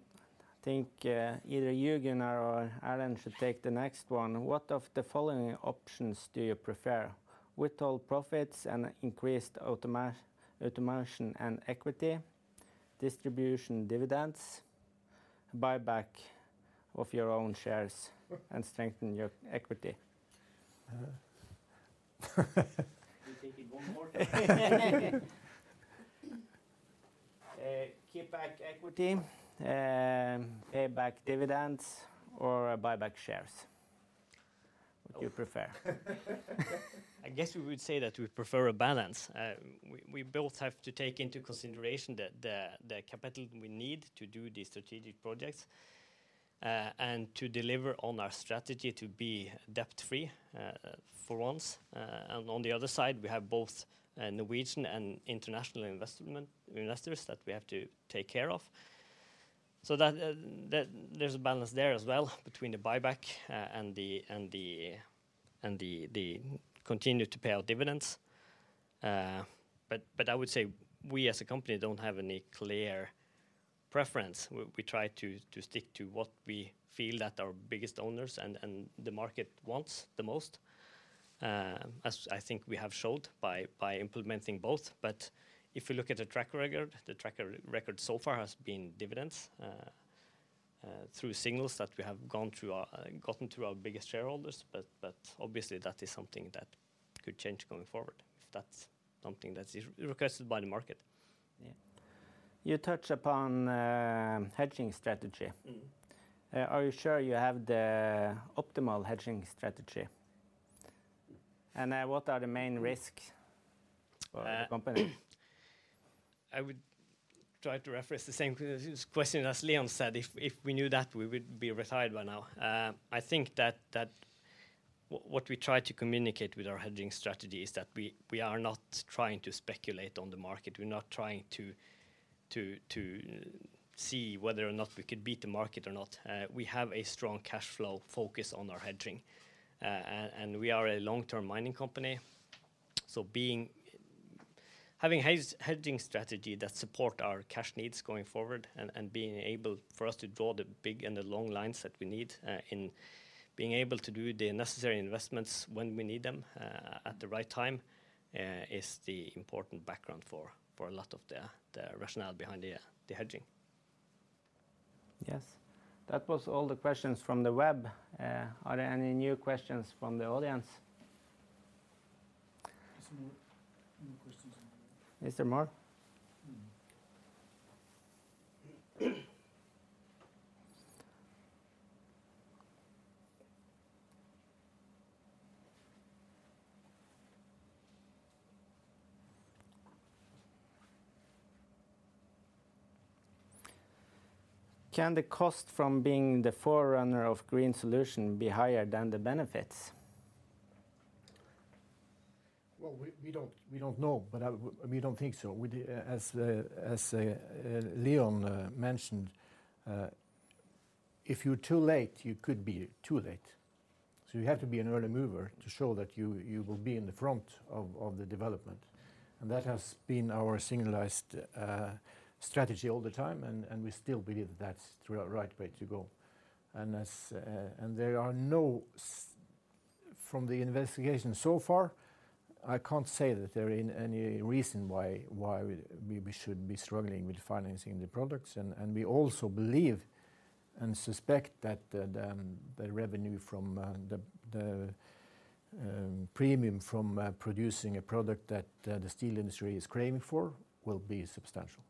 think either Gunnar or Erlend should take the next one. What of the following options do you prefer? Withhold profits and increased automation and equity, distribution dividends, buyback of your own shares and strengthen your equity? Can you take it one more time? Keep back equity, pay back dividends or buy back shares. What do you prefer? I guess we would say that we prefer a balance. We both have to take into consideration the capital we need to do the strategic projects and to deliver on our strategy to be debt-free for once. On the other side, we have both Norwegian and international investors that we have to take care of. There's a balance there as well between the buyback and to continue to pay out dividends. I would say we as a company don't have any clear preference. We try to stick to what we feel that our biggest owners and the market wants the most, as I think we have showed by implementing both. If you look at the track record, the track record so far has been dividends through signals that we have gotten through our biggest shareholders. Obviously that is something that could change going forward if that's something that's requested by the market. Yeah. You touch upon, hedging strategy. Are you sure you have the optimal hedging strategy? What are the main risk for the company? I would try to reference the same thing as Leon said. If we knew that, we would be retired by now. I think that what we try to communicate with our hedging strategy is that we are not trying to speculate on the market. We're not trying to see whether or not we could beat the market or not. We have a strong cash flow focus on our hedging. We are a long-term mining company, so being. Having hedging strategy that support our cash needs going forward and being able for us to draw the big and the long lines that we need in being able to do the necessary investments when we need them at the right time is the important background for a lot of the rationale behind the hedging. Yes. That was all the questions from the web. Are there any new questions from the audience? There's more. More questions. Is there more? Can the cost from being the forerunner of green solution be higher than the benefits? Well, we don't know, but we don't think so. As Leon mentioned, if you're too late, you could be too late. You have to be an early mover to show that you will be in the front of the development. That has been our signaled strategy all the time, and we still believe that's the right way to go. From the investigation so far, I can't say that there are any reason why we should be struggling with financing the products. We also believe and suspect that the revenue from the premium from producing a product that the steel industry is craving for will be substantial.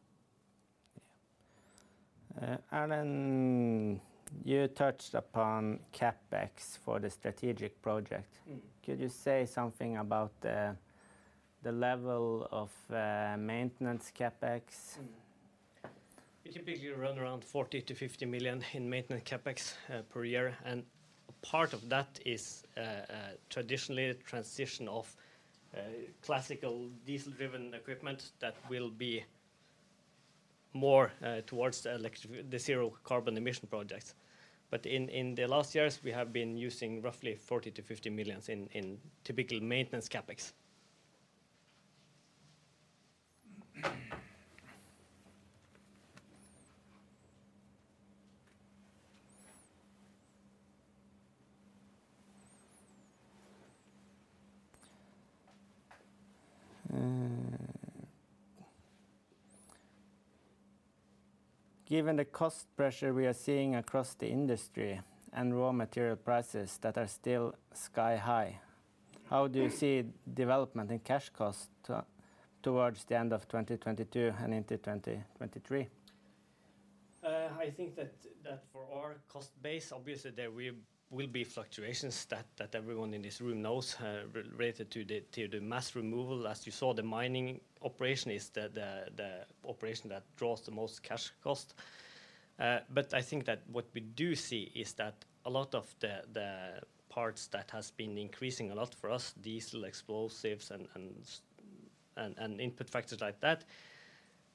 Yeah. Erlend, you touched upon CapEx for the strategic project. Could you say something about the level of maintenance CapEx? We typically run around 40 million- 50 million in maintenance CapEx per year, and a part of that is traditionally transition of classical diesel-driven equipment that will be more towards the zero carbon emission projects. In the last years, we have been using roughly 40 milion-NOK 50 million in typical maintenance CapEx. Given the cost pressure we are seeing across the industry and raw material prices that are still sky high, how do you see development in cash costs towards the end of 2022 and into 2023? I think that for our cost base, obviously there will be fluctuations that everyone in this room knows, related to the mass removal. As you saw, the mining operation is the operation that draws the most cash cost. But I think that what we do see is that a lot of the parts that has been increasing a lot for us, diesel, explosives and input factors like that,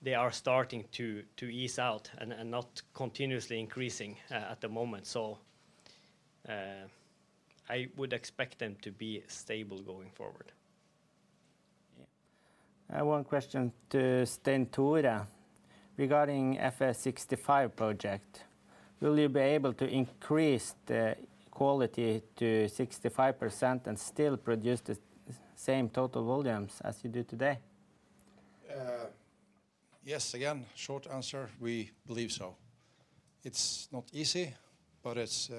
they are starting to ease out and not continuously increasing at the moment. I would expect them to be stable going forward. Yeah. I have one question to Stein Tore Liljenström regarding Fe65 project. Will you be able to increase the quality to 65% and still produce the same total volumes as you do today? Yes. Again, short answer, we believe so. It's not easy, but it's.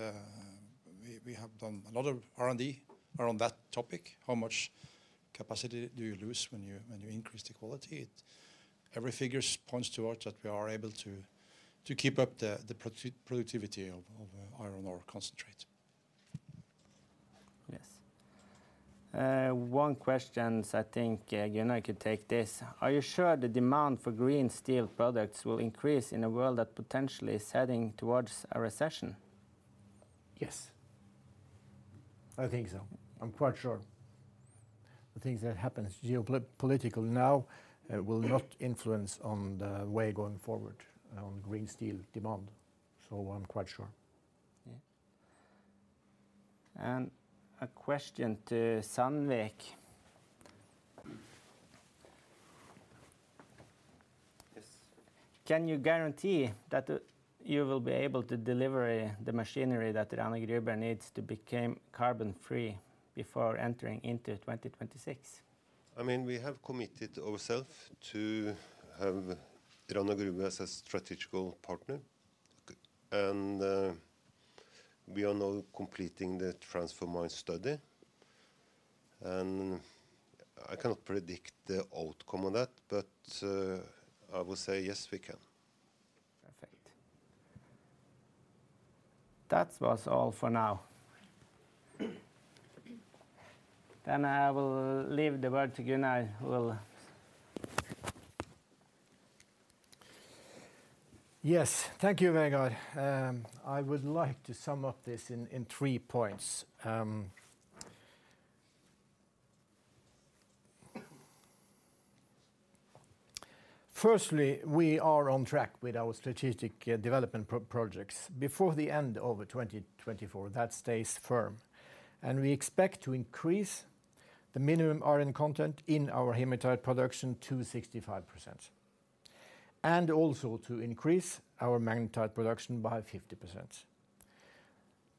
We have done a lot of R&D around that topic. How much capacity do you lose when you increase the quality? Every figure points towards that we are able to keep up the productivity of iron ore concentrate. Yes. One question, I think, Gunnar could take this. Are you sure the demand for green steel products will increase in a world that potentially is heading towards a recession? Yes. I think so. I'm quite sure. The things that happens geopolitical now, will not influence on the way going forward on green steel demand, so I'm quite sure. Yeah. A question to Sandvik. Yes. Can you guarantee that you will be able to deliver the machinery that Rana Gruber needs to became carbon free before entering into 2026? I mean, we have committed ourselves to have Rana Gruber as a strategic partner. Good. We are now completing the TransforMine study. I cannot predict the outcome of that, but I will say yes, we can. Perfect. That was all for now. I will leave the word to Gunnar who will. Yes. Thank you, Vegard. I would like to sum up this in three points. Firstly, we are on track with our strategic development projects before the end of 2024. That stays firm. We expect to increase the minimum iron content in our Hematite production to 65%, and also to increase our Magnetite production by 50%.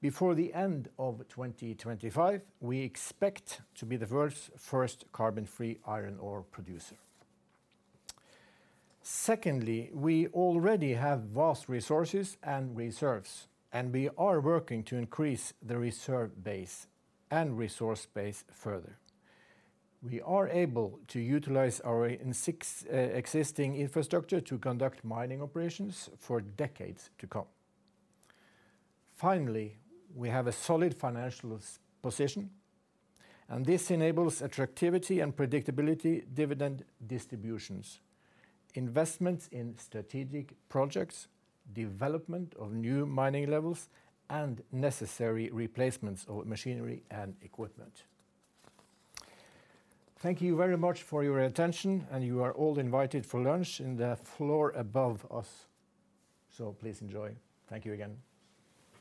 Before the end of 2025, we expect to be the world's first carbon-free iron ore producer. Secondly, we already have vast resources and reserves, and we are working to increase the reserve base and resource base further. We are able to utilize our existing infrastructure to conduct mining operations for decades to come. Finally, we have a solid financial position, and this enables attractivity and predictability, dividend distributions, investments in strategic projects, development of new mining levels, and necessary replacements of machinery and equipment. Thank you very much for your attention, and you are all invited for lunch in the floor above us, so please enjoy. Thank you again.